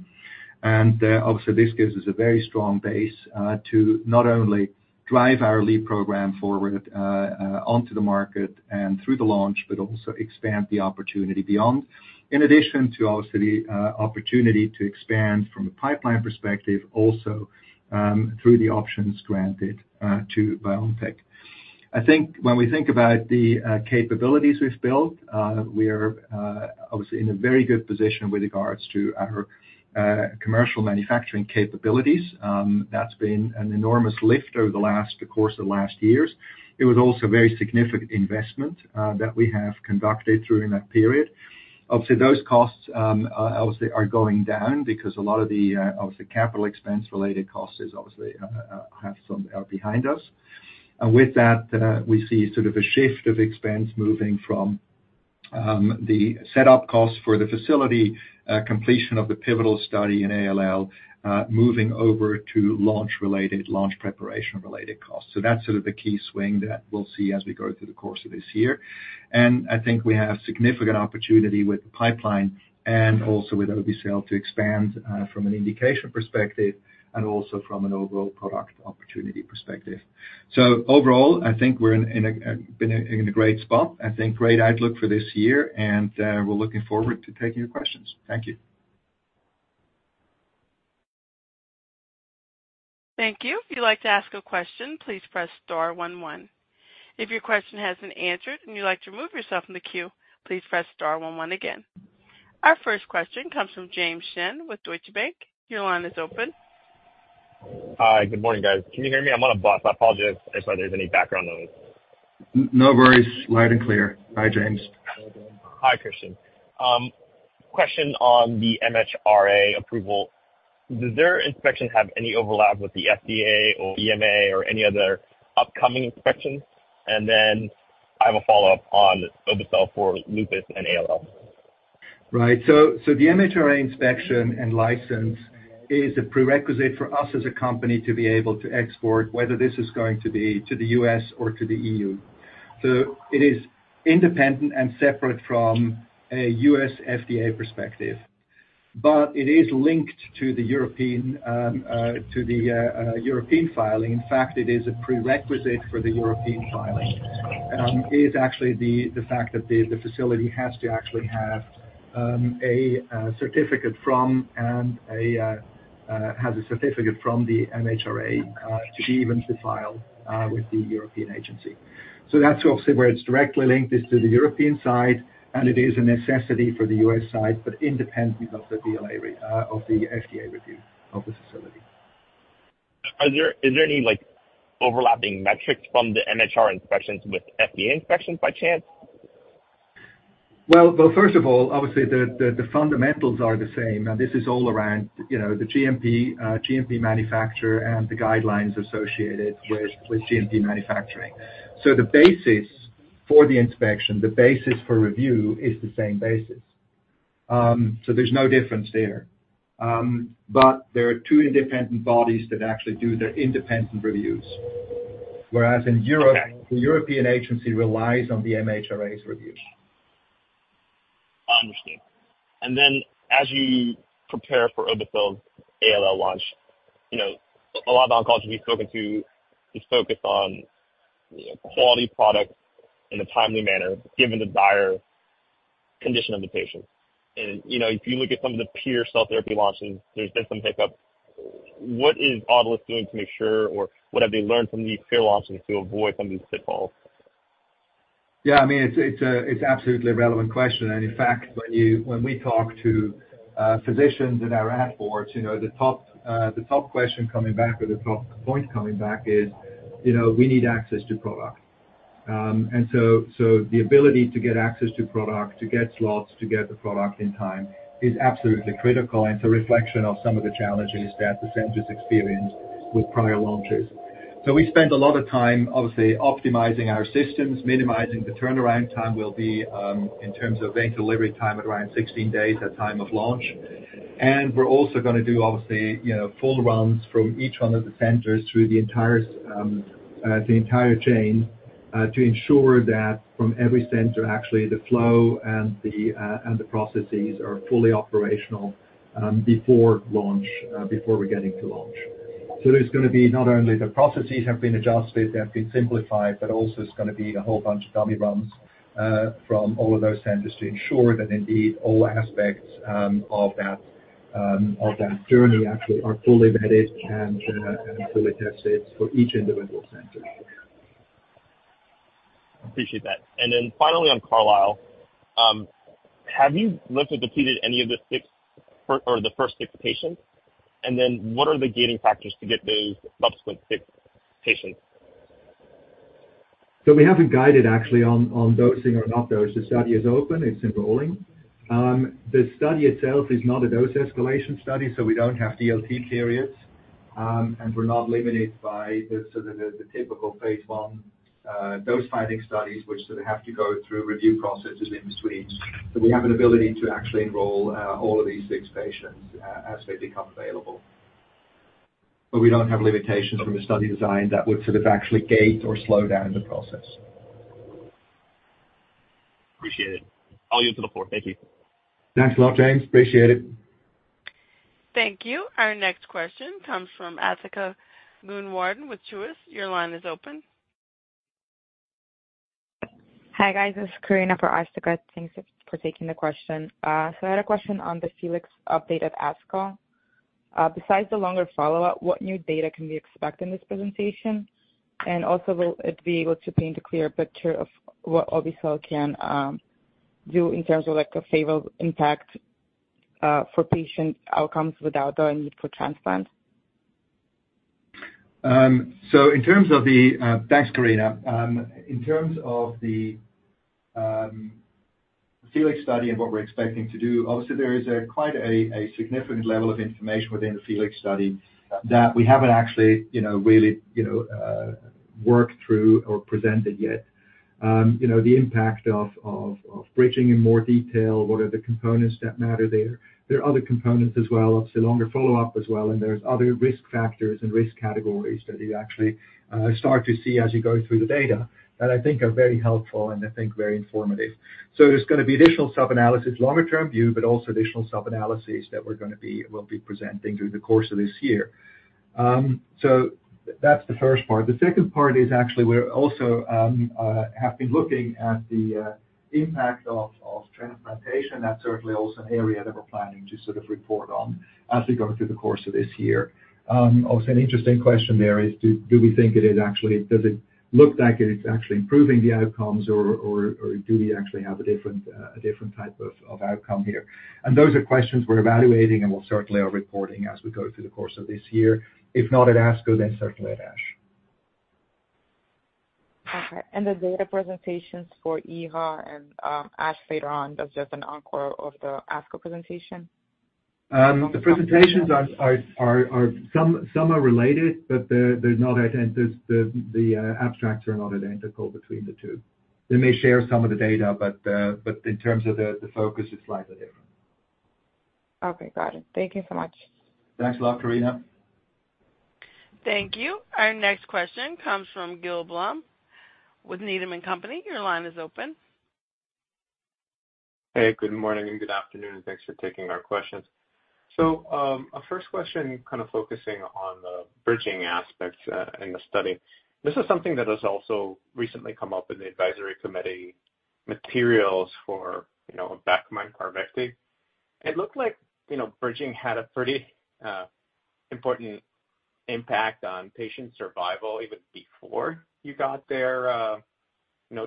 Obviously, this gives us a very strong base to not only drive our LEEP program forward onto the market and through the launch, but also expand the opportunity beyond, in addition to, obviously, the opportunity to expand from a pipeline perspective, also through the options granted to BioNTech. I think when we think about the capabilities we've built, we are, obviously, in a very good position with regards to our commercial manufacturing capabilities. That's been an enormous lift over the course of the last years. It was also a very significant investment that we have conducted during that period. Obviously, those costs, obviously, are going down because a lot of the, obviously, capital expense-related costs, obviously, are behind us. And with that, we see sort of a shift of expense moving from the setup costs for the facility, completion of the pivotal study in ALL, moving over to launch-related, launch preparation-related costs. So that's sort of the key swing that we'll see as we go through the course of this year. And I think we have significant opportunity with pipeline and also with Obe-cel to expand from an indication perspective and also from an overall product opportunity perspective. Overall, I think we've been in a great spot. I think great outlook for this year. We're looking forward to taking your questions. Thank you. Thank you. If you'd like to ask a question, please press star one one. If your question hasn't answered and you'd like to remove yourself from the queue, please press star one one again. Our first question comes from James Shin with Deutsche Bank. Your line is open. Hi. Good morning, guys. Can you hear me? I'm on a bus. I apologize if there's any background noise. No worries. Light and clear. Hi, James. Hi, Christian. Question on the MHRA approval. Does their inspection have any overlap with the FDA or EMA or any other upcoming inspections? And then I have a follow-up on Obe-cel for lupus and ALL. Right. So the MHRA inspection and license is a prerequisite for us as a company to be able to export, whether this is going to be to the U.S. or to the E.U. So it is independent and separate from a U.S. FDA perspective. But it is linked to the European filing. In fact, it is a prerequisite for the European filing. It is actually the fact that the facility has to actually have a certificate from and has a certificate from the MHRA to be able to file with the European agency. So that's, obviously, where it's directly linked. It's to the European side, and it is a necessity for the U.S. side, but independent of the FDA review of the facility. Is there any overlapping metrics from the MHRA inspections with FDA inspections, by chance? Well, first of all, obviously, the fundamentals are the same. This is all around the GMP manufacturer and the guidelines associated with GMP manufacturing. The basis for the inspection, the basis for review, is the same basis. There's no difference there. But there are two independent bodies that actually do their independent reviews, whereas in Europe, the European agency relies on the MHRA's reviews. Understood. And then as you prepare for Obe-cel's ALL launch, a lot of oncologists we've spoken to just focus on quality products in a timely manner given the dire condition of the patient. And if you look at some of the peer cell therapy launches, there's been some hiccups. What is Autolus doing to make sure or what have they learned from these peer launches to avoid some of these pitfalls? Yeah. I mean, it's absolutely a relevant question. In fact, when we talk to physicians in our ad boards, the top question coming back or the top point coming back is, "We need access to product." So the ability to get access to product, to get slots, to get the product in time is absolutely critical. It's a reflection of some of the challenges that the centers experienced with prior launches. So we spent a lot of time, obviously, optimizing our systems, minimizing the turnaround time will be in terms of vein delivery time at around 16 days at time of launch. We're also going to do, obviously, full runs from each one of the centers through the entire chain to ensure that from every center, actually, the flow and the processes are fully operational before launch, before we're getting to launch. There's going to be not only the processes have been adjusted, they have been simplified, but also it's going to be a whole bunch of dummy runs from all of those centers to ensure that indeed all aspects of that journey actually are fully vetted and fully tested for each individual center. Appreciate that. Then finally on CARLSYLE, have you lymphodepleted any of the six or the first six patients? Then what are the gating factors to get those subsequent six patients? So we haven't guided, actually, on dosing or not dosing. The study is open. It's enrolling. The study itself is not a dose escalation study, so we don't have DLT periods. And we're not limited by the typical phase l dose-finding studies, which sort of have to go through review processes in between. So we have an ability to actually enroll all of these six patients as they become available. But we don't have limitations from the study design that would sort of actually gate or slow down the process. Appreciate it. I'll yield to the floor. Thank you. Thanks a lot, James. Appreciate it. Thank you. Our next question comes from Asthika Goonewardene with Truist Securities. Your line is open. Hi, guys. This is Karina from Asthika. Thanks for taking the question. So I had a question on the FELIX updated ASCO. Besides the longer follow-up, what new data can we expect in this presentation? And also, will it be able to paint a clearer picture of what Obe-cel can do in terms of a favorable impact for patient outcomes without the need for transplant? So in terms of the thanks, Karina. In terms of the FELIX study and what we're expecting to do, obviously, there is quite a significant level of information within the FELIX study that we haven't actually really worked through or presented yet. The impact of bridging in more detail, what are the components that matter there? There are other components as well, obviously, longer follow-up as well. And there's other risk factors and risk categories that you actually start to see as you go through the data that I think are very helpful and I think very informative. So there's going to be additional sub-analysis, longer-term view, but also additional sub-analyses that we're going to be presenting during the course of this year. So that's the first part. The second part is actually we also have been looking at the impact of transplantation. That's certainly also an area that we're planning to sort of report on as we go through the course of this year. Obviously, an interesting question there is, do we think it is actually does it look like it's actually improving the outcomes, or do we actually have a different type of outcome here? And those are questions we're evaluating and will certainly are reporting as we go through the course of this year. If not at ASCO, then certainly at ASH. Okay. And the data presentations for EHA and ASH later on, that's just an encore of the ASCO presentation? The presentations are. Some are related, but they're not identical. The abstracts are not identical between the two. They may share some of the data, but in terms of the focus, it's slightly different. Okay. Got it. Thank you so much. Thanks a lot, Karina. Thank you. Our next question comes from Gil Blum with Needham & Company. Your line is open. Hey. Good morning and good afternoon. And thanks for taking our questions. So our first question kind of focusing on the bridging aspects in the study. This is something that has also recently come up in the advisory committee materials for Carvykti. It looked like bridging had a pretty important impact on patient survival even before you got their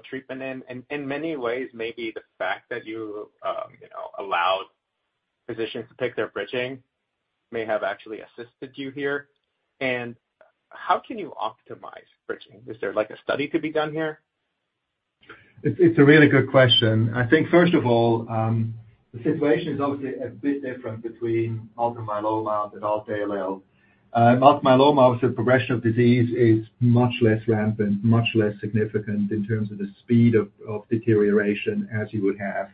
treatment in. In many ways, maybe the fact that you allowed physicians to pick their bridging may have actually assisted you here. And how can you optimize bridging? Is there a study to be done here? It's a really good question. I think, first of all, the situation is obviously a bit different between multiple myeloma and adult ALL. Multiple myeloma, obviously, progression of disease is much less rampant, much less significant in terms of the speed of deterioration as you would have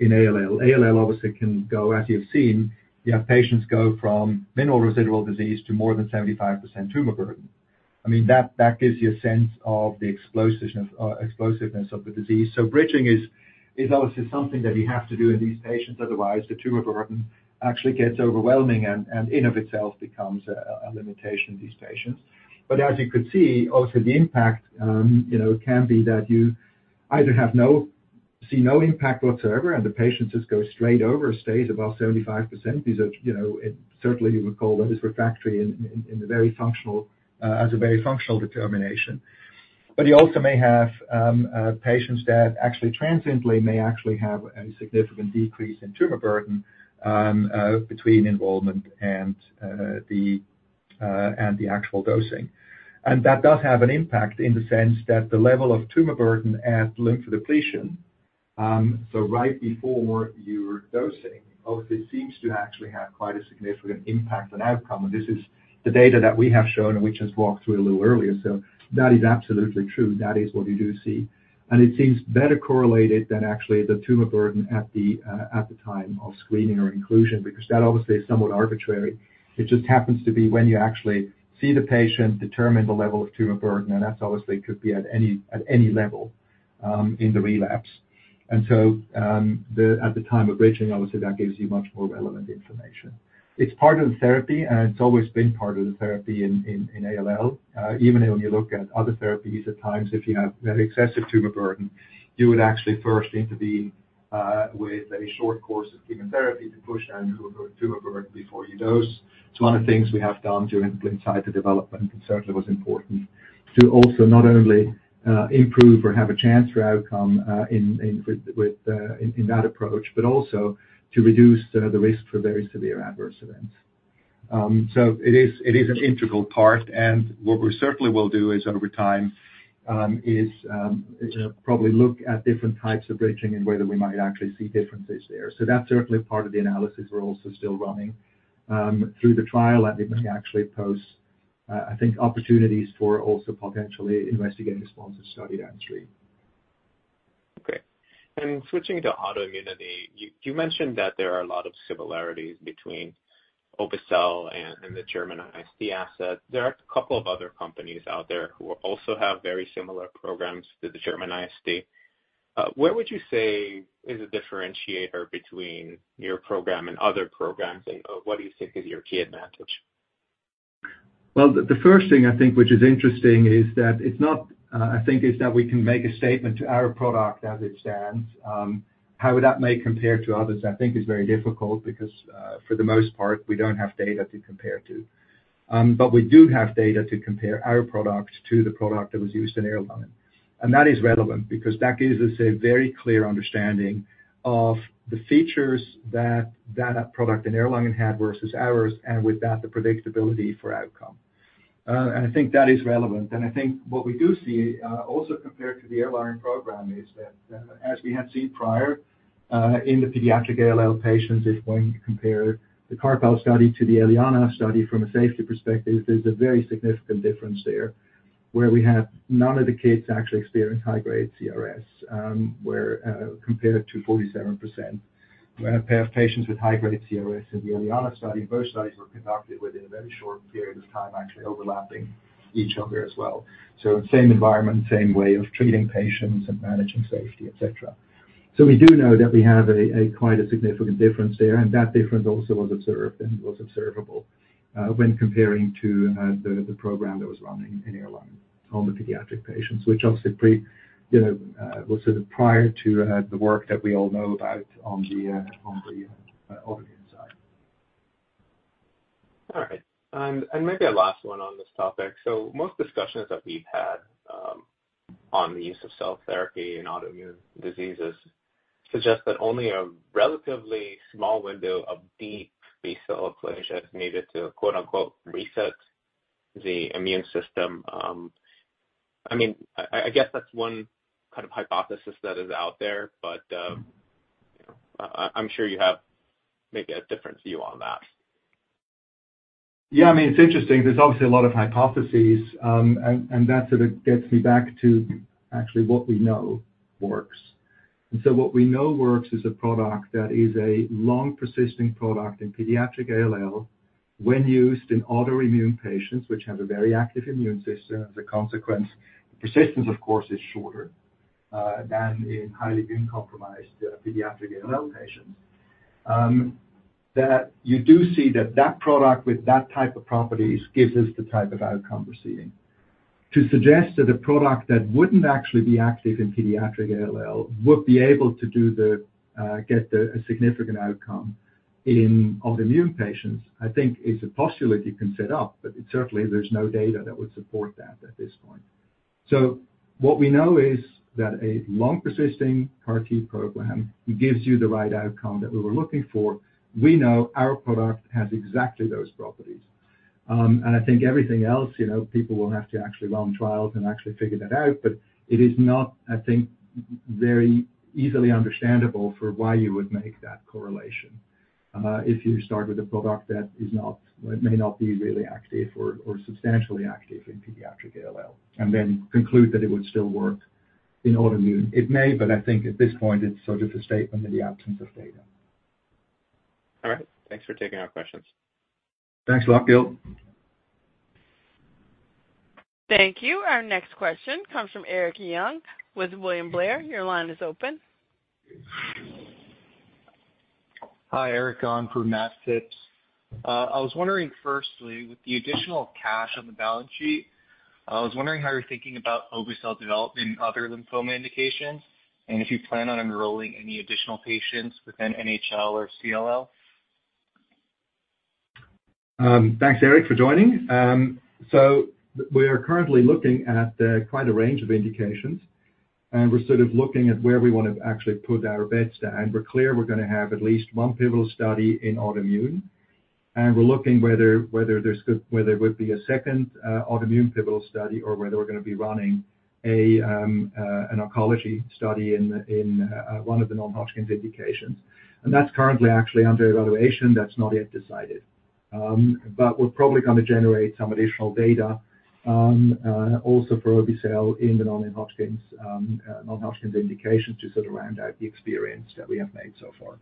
in ALL. ALL, obviously, can go, as you've seen, you have patients go from minimal residual disease to more than 75% tumor burden. I mean, that gives you a sense of the explosiveness of the disease. So bridging is, obviously, something that you have to do in these patients. Otherwise, the tumor burden actually gets overwhelming and in and of itself becomes a limitation in these patients. But as you could see, obviously, the impact can be that you either see no impact whatsoever, and the patient just goes straight over, stays above 75%. Certainly, you would call that a refractory as a very functional determination. But you also may have patients that actually transiently may actually have a significant decrease in tumor burden between enrollment and the actual dosing. And that does have an impact in the sense that the level of tumor burden at lymphodepletion, so right before you're dosing, obviously, seems to actually have quite a significant impact on outcome. And this is the data that we have shown and which has walked through a little earlier. So that is absolutely true. That is what you do see. And it seems better correlated than actually the tumor burden at the time of screening or inclusion because that, obviously, is somewhat arbitrary. It just happens to be when you actually see the patient, determine the level of tumor burden, and that's, obviously, could be at any level in the relapse. And so at the time of bridging, obviously, that gives you much more relevant information. It's part of the therapy, and it's always been part of the therapy in ALL. Even when you look at other therapies, at times, if you have very excessive tumor burden, you would actually first intervene with a short course of chemotherapy to push down tumor burden before you dose. It's one of the things we have done during the blinded site development and certainly was important to also not only improve or have a chance for outcome in that approach, but also to reduce the risk for very severe adverse events. So it is an integral part. And what we certainly will do over time is probably look at different types of bridging and whether we might actually see differences there. That's certainly part of the analysis we're also still running through the trial, and it may actually pose, I think, opportunities for also potentially investigating sponsored study downstream. Okay. And switching to autoimmunity, you mentioned that there are a lot of similarities between Obe-cel and the German SLE asset. There are a couple of other companies out there who also have very similar programs to the German SLE. Where would you say is a differentiator between your program and other programs, and what do you think is your key advantage? Well, the first thing, I think, which is interesting is that it's not I think it's that we can make a statement to our product as it stands. How would that may compare to others, I think, is very difficult because for the most part, we don't have data to compare to. But we do have data to compare our product to the product that was used in Erlangen. And that is relevant because that gives us a very clear understanding of the features that that product in Erlangen had versus ours, and with that, the predictability for outcome. And I think that is relevant. I think what we do see also compared to the Erlangen program is that as we had seen prior in the pediatric ALL patients, if one compared the CARPALL study to the ELIANA study from a safety perspective, there's a very significant difference there where we have none of the kids actually experience high-grade CRS compared to 47%. We had 47% of patients with high-grade CRS in the ELIANA study, and both studies were conducted within a very short period of time, actually overlapping each other as well. So same environment, same way of treating patients and managing safety, etc. So we do know that we have quite a significant difference there. And that difference also was observed and was observable when comparing to the program that was running in Erlangen on the pediatric patients, which obviously was sort of prior to the work that we all know about on the autoimmune side. All right. And maybe a last one on this topic. So most discussions that we've had on the use of cell therapy in autoimmune diseases suggest that only a relatively small window of deep B-cell aplasia is needed to "reset" the immune system. I mean, I guess that's one kind of hypothesis that is out there, but I'm sure you have maybe a different view on that. Yeah. I mean, it's interesting. There's obviously a lot of hypotheses, and that sort of gets me back to actually what we know works. And so what we know works is a product that is a long-persisting product in pediatric ALL when used in autoimmune patients, which have a very active immune system. As a consequence, persistence, of course, is shorter than in highly immune-compromised pediatric ALL patients. That you do see that that product with that type of properties gives us the type of outcome we're seeing. To suggest that a product that wouldn't actually be active in pediatric ALL would be able to get a significant outcome in autoimmune patients, I think, is a postulate you can set up, but certainly, there's no data that would support that at this point. So what we know is that a long-persisting CAR-T program gives you the right outcome that we were looking for. We know our product has exactly those properties. And I think everything else, people will have to actually run trials and actually figure that out, but it is not, I think, very easily understandable for why you would make that correlation if you start with a product that may not be really active or substantially active in pediatric ALL and then conclude that it would still work in autoimmune. It may, but I think at this point, it's sort of a statement in the absence of data. All right. Thanks for taking our questions. Thanks a lot, Gil. Thank you. Our next question comes from Eric Roddy with William Blair. Your line is open. Hi, Eric. On for Matt Phipps. I was wondering, firstly, with the additional cash on the balance sheet, I was wondering how you're thinking about Obe-cel development in other lymphoma indications and if you plan on enrolling any additional patients within NHL or CLL. Thanks, Eric, for joining. So we are currently looking at quite a range of indications, and we're sort of looking at where we want to actually put our bets there. And we're clear we're going to have at least one pivotal study in autoimmune. And we're looking whether there's good whether it would be a second autoimmune pivotal study or whether we're going to be running an oncology study in one of the non-Hodgkin's indications. And that's currently actually under evaluation. That's not yet decided. But we're probably going to generate some additional data also for Obe-cel in the non-Hodgkin's indications to sort of round out the experience that we have made so far.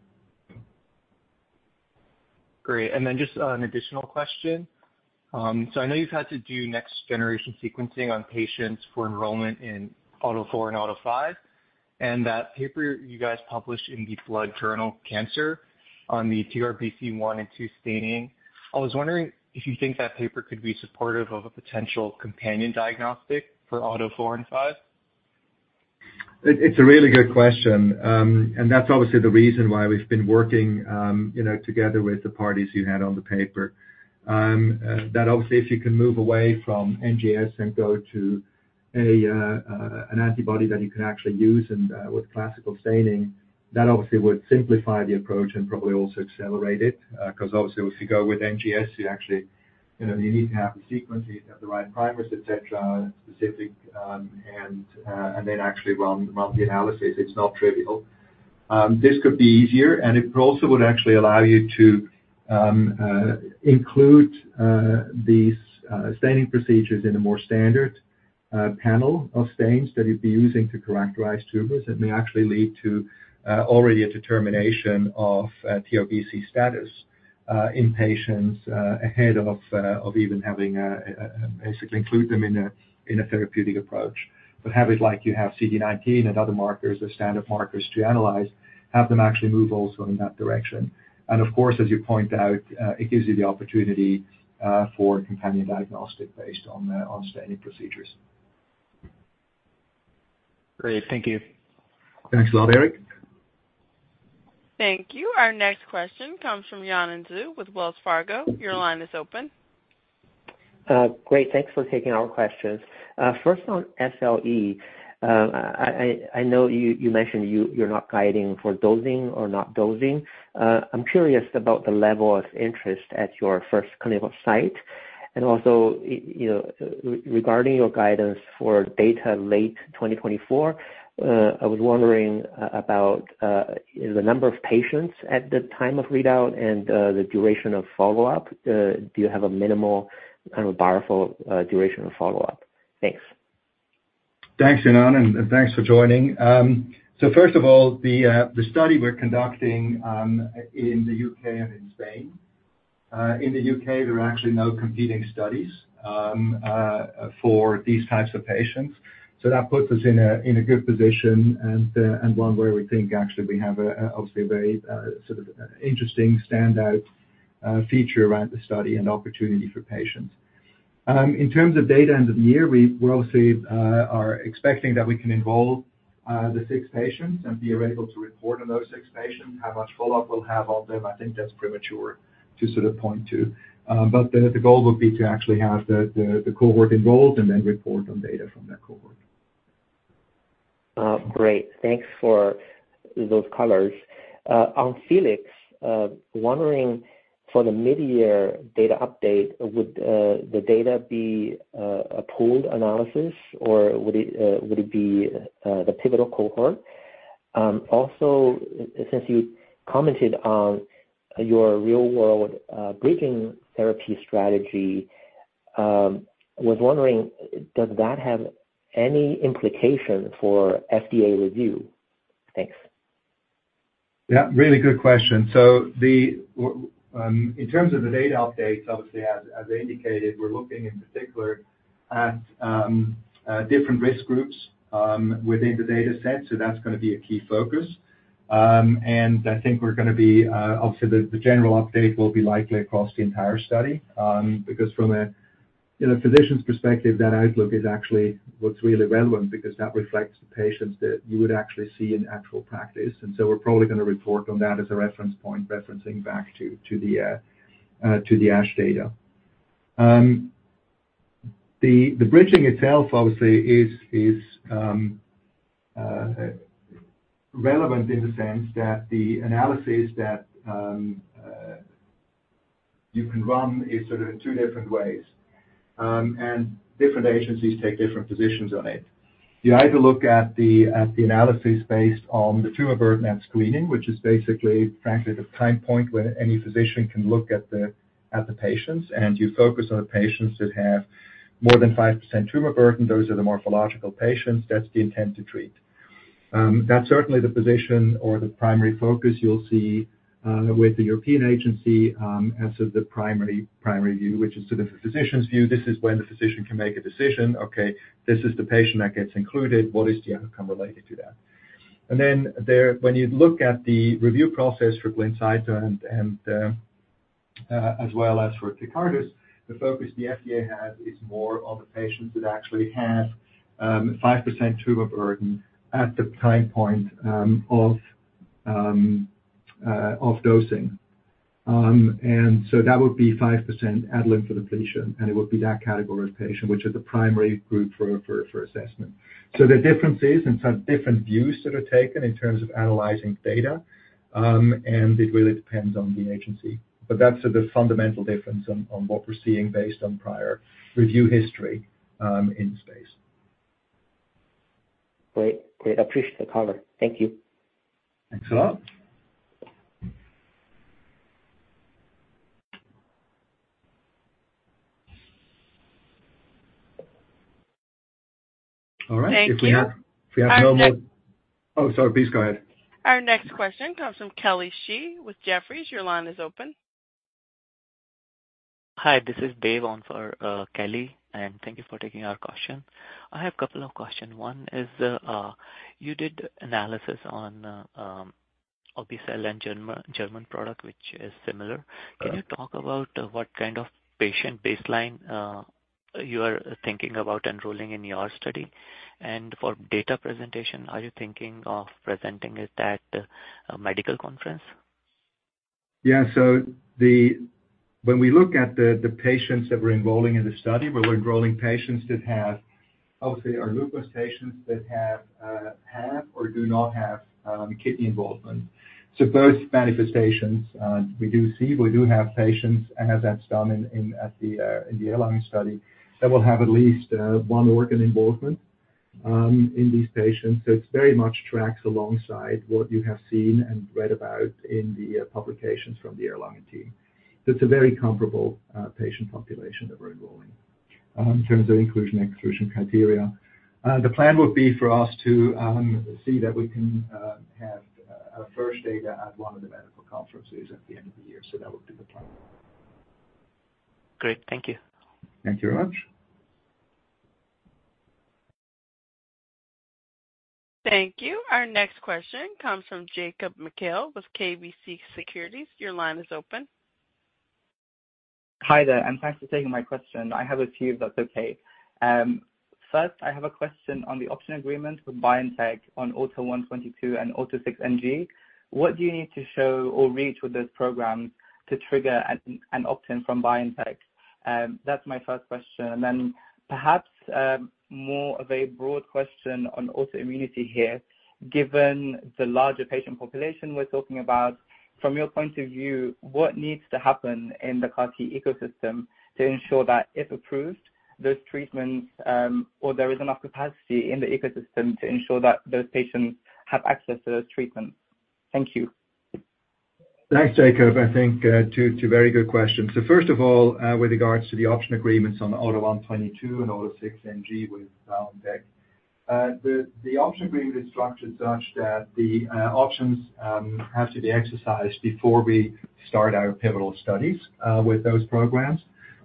Great. Just an additional question. I know you've had to do next-generation sequencing on patients for enrollment in AUTO4 and AUTO5, and that paper you guys published in the Blood Cancer Journal on the TRBC1 and TRBC2 staining, I was wondering if you think that paper could be supportive of a potential companion diagnostic for AUTO4 and AUTO5? It's a really good question. And that's obviously the reason why we've been working together with the parties you had on the paper. That obviously, if you can move away from NGS and go to an antibody that you can actually use with classical staining, that obviously would simplify the approach and probably also accelerate it because obviously, if you go with NGS, you actually you need to have the sequences, have the right primers, etc., specific, and then actually run the analysis. It's not trivial. This could be easier, and it also would actually allow you to include these staining procedures in a more standard panel of stains that you'd be using to characterize tumors. It may actually lead to already a determination of TRBC status in patients ahead of even having basically include them in a therapeutic approach. But have it like you have CD19 and other markers, the standard markers to analyze, have them actually move also in that direction. Of course, as you point out, it gives you the opportunity for companion diagnostic based on staining procedures. Great. Thank you. Thanks a lot, Eric. Thank you. Our next question comes from Yanan Zhu with Wells Fargo. Your line is open. Great. Thanks for taking our questions. First on SLE, I know you mentioned you're not guiding for dosing or not dosing. I'm curious about the level of interest at your first clinical site and also regarding your guidance for data late 2024. I was wondering about the number of patients at the time of readout and the duration of follow-up. Do you have a minimal kind of bar for duration of follow-up? Thanks. Thanks, Yanan, and thanks for joining. So first of all, the study we're conducting in the U.K. and in Spain. In the U.K., there are actually no competing studies for these types of patients. So that puts us in a good position and one where we think actually we have obviously a very sort of interesting standout feature around the study and opportunity for patients. In terms of data end of the year, we obviously are expecting that we can enroll the six patients and be able to report on those six patients. How much follow-up we'll have on them, I think that's premature to sort of point to. But the goal would be to actually have the cohort enrolled and then report on data from that cohort. Great. Thanks for those colors. On FELIX, wondering for the mid-year data update, would the data be a pooled analysis, or would it be the pivotal cohort? Also, since you commented on your real-world bridging therapy strategy, was wondering, does that have any implication for FDA review? Thanks. Yeah. Really good question. So in terms of the data updates, obviously, as I indicated, we're looking in particular at different risk groups within the dataset. So that's going to be a key focus. And I think we're going to be obviously, the general update will be likely across the entire study because from a physician's perspective, that outlook is actually what's really relevant because that reflects the patients that you would actually see in actual practice. And so we're probably going to report on that as a reference point referencing back to the Ash data. The bridging itself, obviously, is relevant in the sense that the analysis that you can run is sort of in two different ways, and different agencies take different positions on it. You either look at the analysis based on the tumor burden at screening, which is basically, frankly, the time point when any physician can look at the patients, and you focus on the patients that have more than 5% tumor burden. Those are the morphological patients. That's the intent to treat. That's certainly the position or the primary focus you'll see with the European agency as sort of the primary view, which is sort of the physician's view. This is when the physician can make a decision, "Okay, this is the patient that gets included. What is the outcome related to that?" And then when you look at the review process for Blincyto as well as for Tecartus, the focus the FDA has is more on the patients that actually have 5% tumor burden at the time point of dosing. That would be 5% adult ALL, and it would be that category of patient, which is the primary group for assessment. There are differences and sort of different views that are taken in terms of analyzing data, and it really depends on the agency. That's sort of the fundamental difference on what we're seeing based on prior review history in the space. Great. Great. Appreciate the cover. Thank you. Thanks a lot. All right. If we have no more. Oh, sorry. Please go ahead. Our next question comes from Kelly Shi with Jefferies. Your line is open. Hi. This is Dave on for Kelly, and thank you for taking our question. I have a couple of questions. One is you did analysis on Obe-cel and German product, which is similar. Can you talk about what kind of patient baseline you are thinking about enrolling in your study? And for data presentation, are you thinking of presenting it at a medical conference? Yeah. So when we look at the patients that we're enrolling in the study, we're enrolling patients that have, obviously, our lupus patients that have or do not have kidney involvement. So both manifestations we do see. We do have patients, as that's done at the Erlangen study, that will have at least one organ involvement in these patients. So it very much tracks alongside what you have seen and read about in the publications from the Erlangen team. So it's a very comparable patient population that we're enrolling in terms of inclusion/exclusion criteria. The plan would be for us to see that we can have our first data at one of the medical conferences at the end of the year. So that would be the plan. Great. Thank you. Thank you very much. Thank you. Our next question comes from Jacob Mekhael with KBC Securities. Your line is open. Hi there, and thanks for taking my question. I have a few if that's okay. First, I have a question on the option agreement with BioNTech on AUTO1/22 and AUTO6NG. What do you need to show or reach with those programs to trigger an option from BioNTech? That's my first question. And then perhaps more of a broad question on autoimmunity here. Given the larger patient population we're talking about, from your point of view, what needs to happen in the CAR-T ecosystem to ensure that, if approved, those treatments or there is enough capacity in the ecosystem to ensure that those patients have access to those treatments? Thank you. Thanks, Jacob. I think two very good questions. So first of all, with regards to the option agreements on AUTO1/22 and AUTO6NG with BioNTech, the option agreement is structured such that the options have to be exercised before we start our pivotal studies with those programs.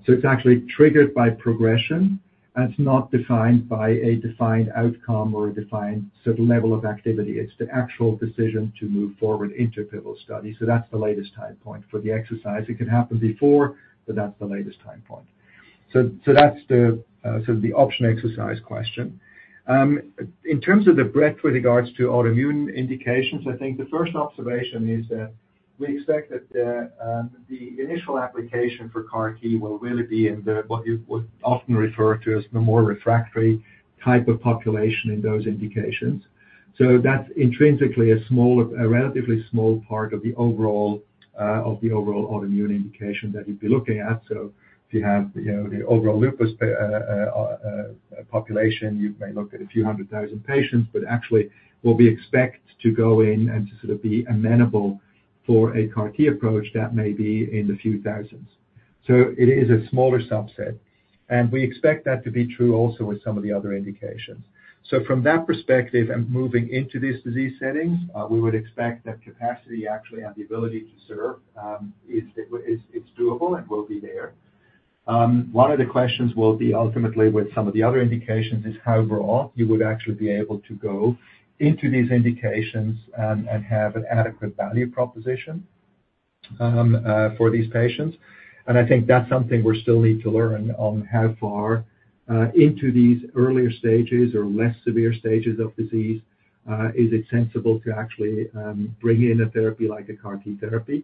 So it's actually triggered by progression. It's not defined by a defined outcome or a defined sort of level of activity. It's the actual decision to move forward into a pivotal study. So that's the latest time point for the exercise. It can happen before, but that's the latest time point. So that's sort of the option exercise question. In terms of the breadth with regards to autoimmune indications, I think the first observation is that we expect that the initial application for CAR-T will really be in what you would often refer to as the more refractory type of population in those indications. So that's intrinsically a relatively small part of the overall autoimmune indication that you'd be looking at. So if you have the overall lupus population, you may look at a few hundred thousand patients, but actually, we'll be expected to go in and to sort of be amenable for a CAR-T approach that may be in the few thousands. So it is a smaller subset. And we expect that to be true also with some of the other indications. So from that perspective and moving into these disease settings, we would expect that capacity actually and the ability to serve is doable and will be there. One of the questions will be ultimately with some of the other indications is how broad you would actually be able to go into these indications and have an adequate value proposition for these patients. I think that's something we still need to learn on how far into these earlier stages or less severe stages of disease is it sensible to actually bring in a therapy like a CAR-T therapy.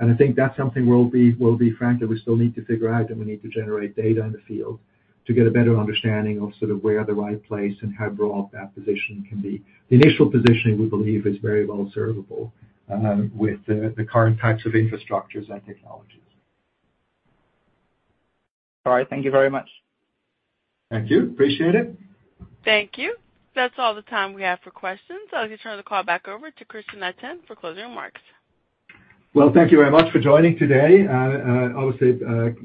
I think that's something we'll be frankly, we still need to figure out, and we need to generate data in the field to get a better understanding of sort of where the right place and how broad that position can be. The initial positioning, we believe, is very well serviceable with the current types of infrastructures and technologies. All right. Thank you very much. Thank you. Appreciate it. Thank you. That's all the time we have for questions. I'll turn the call back over to Christian Itin for closing remarks. Well, thank you very much for joining today. Obviously,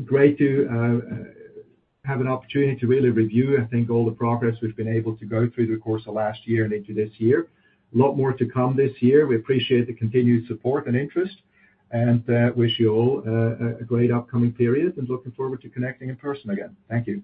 great to have an opportunity to really review, I think, all the progress we've been able to go through the course of last year and into this year. A lot more to come this year. We appreciate the continued support and interest and wish you all a great upcoming period and looking forward to connecting in person again. Thank you.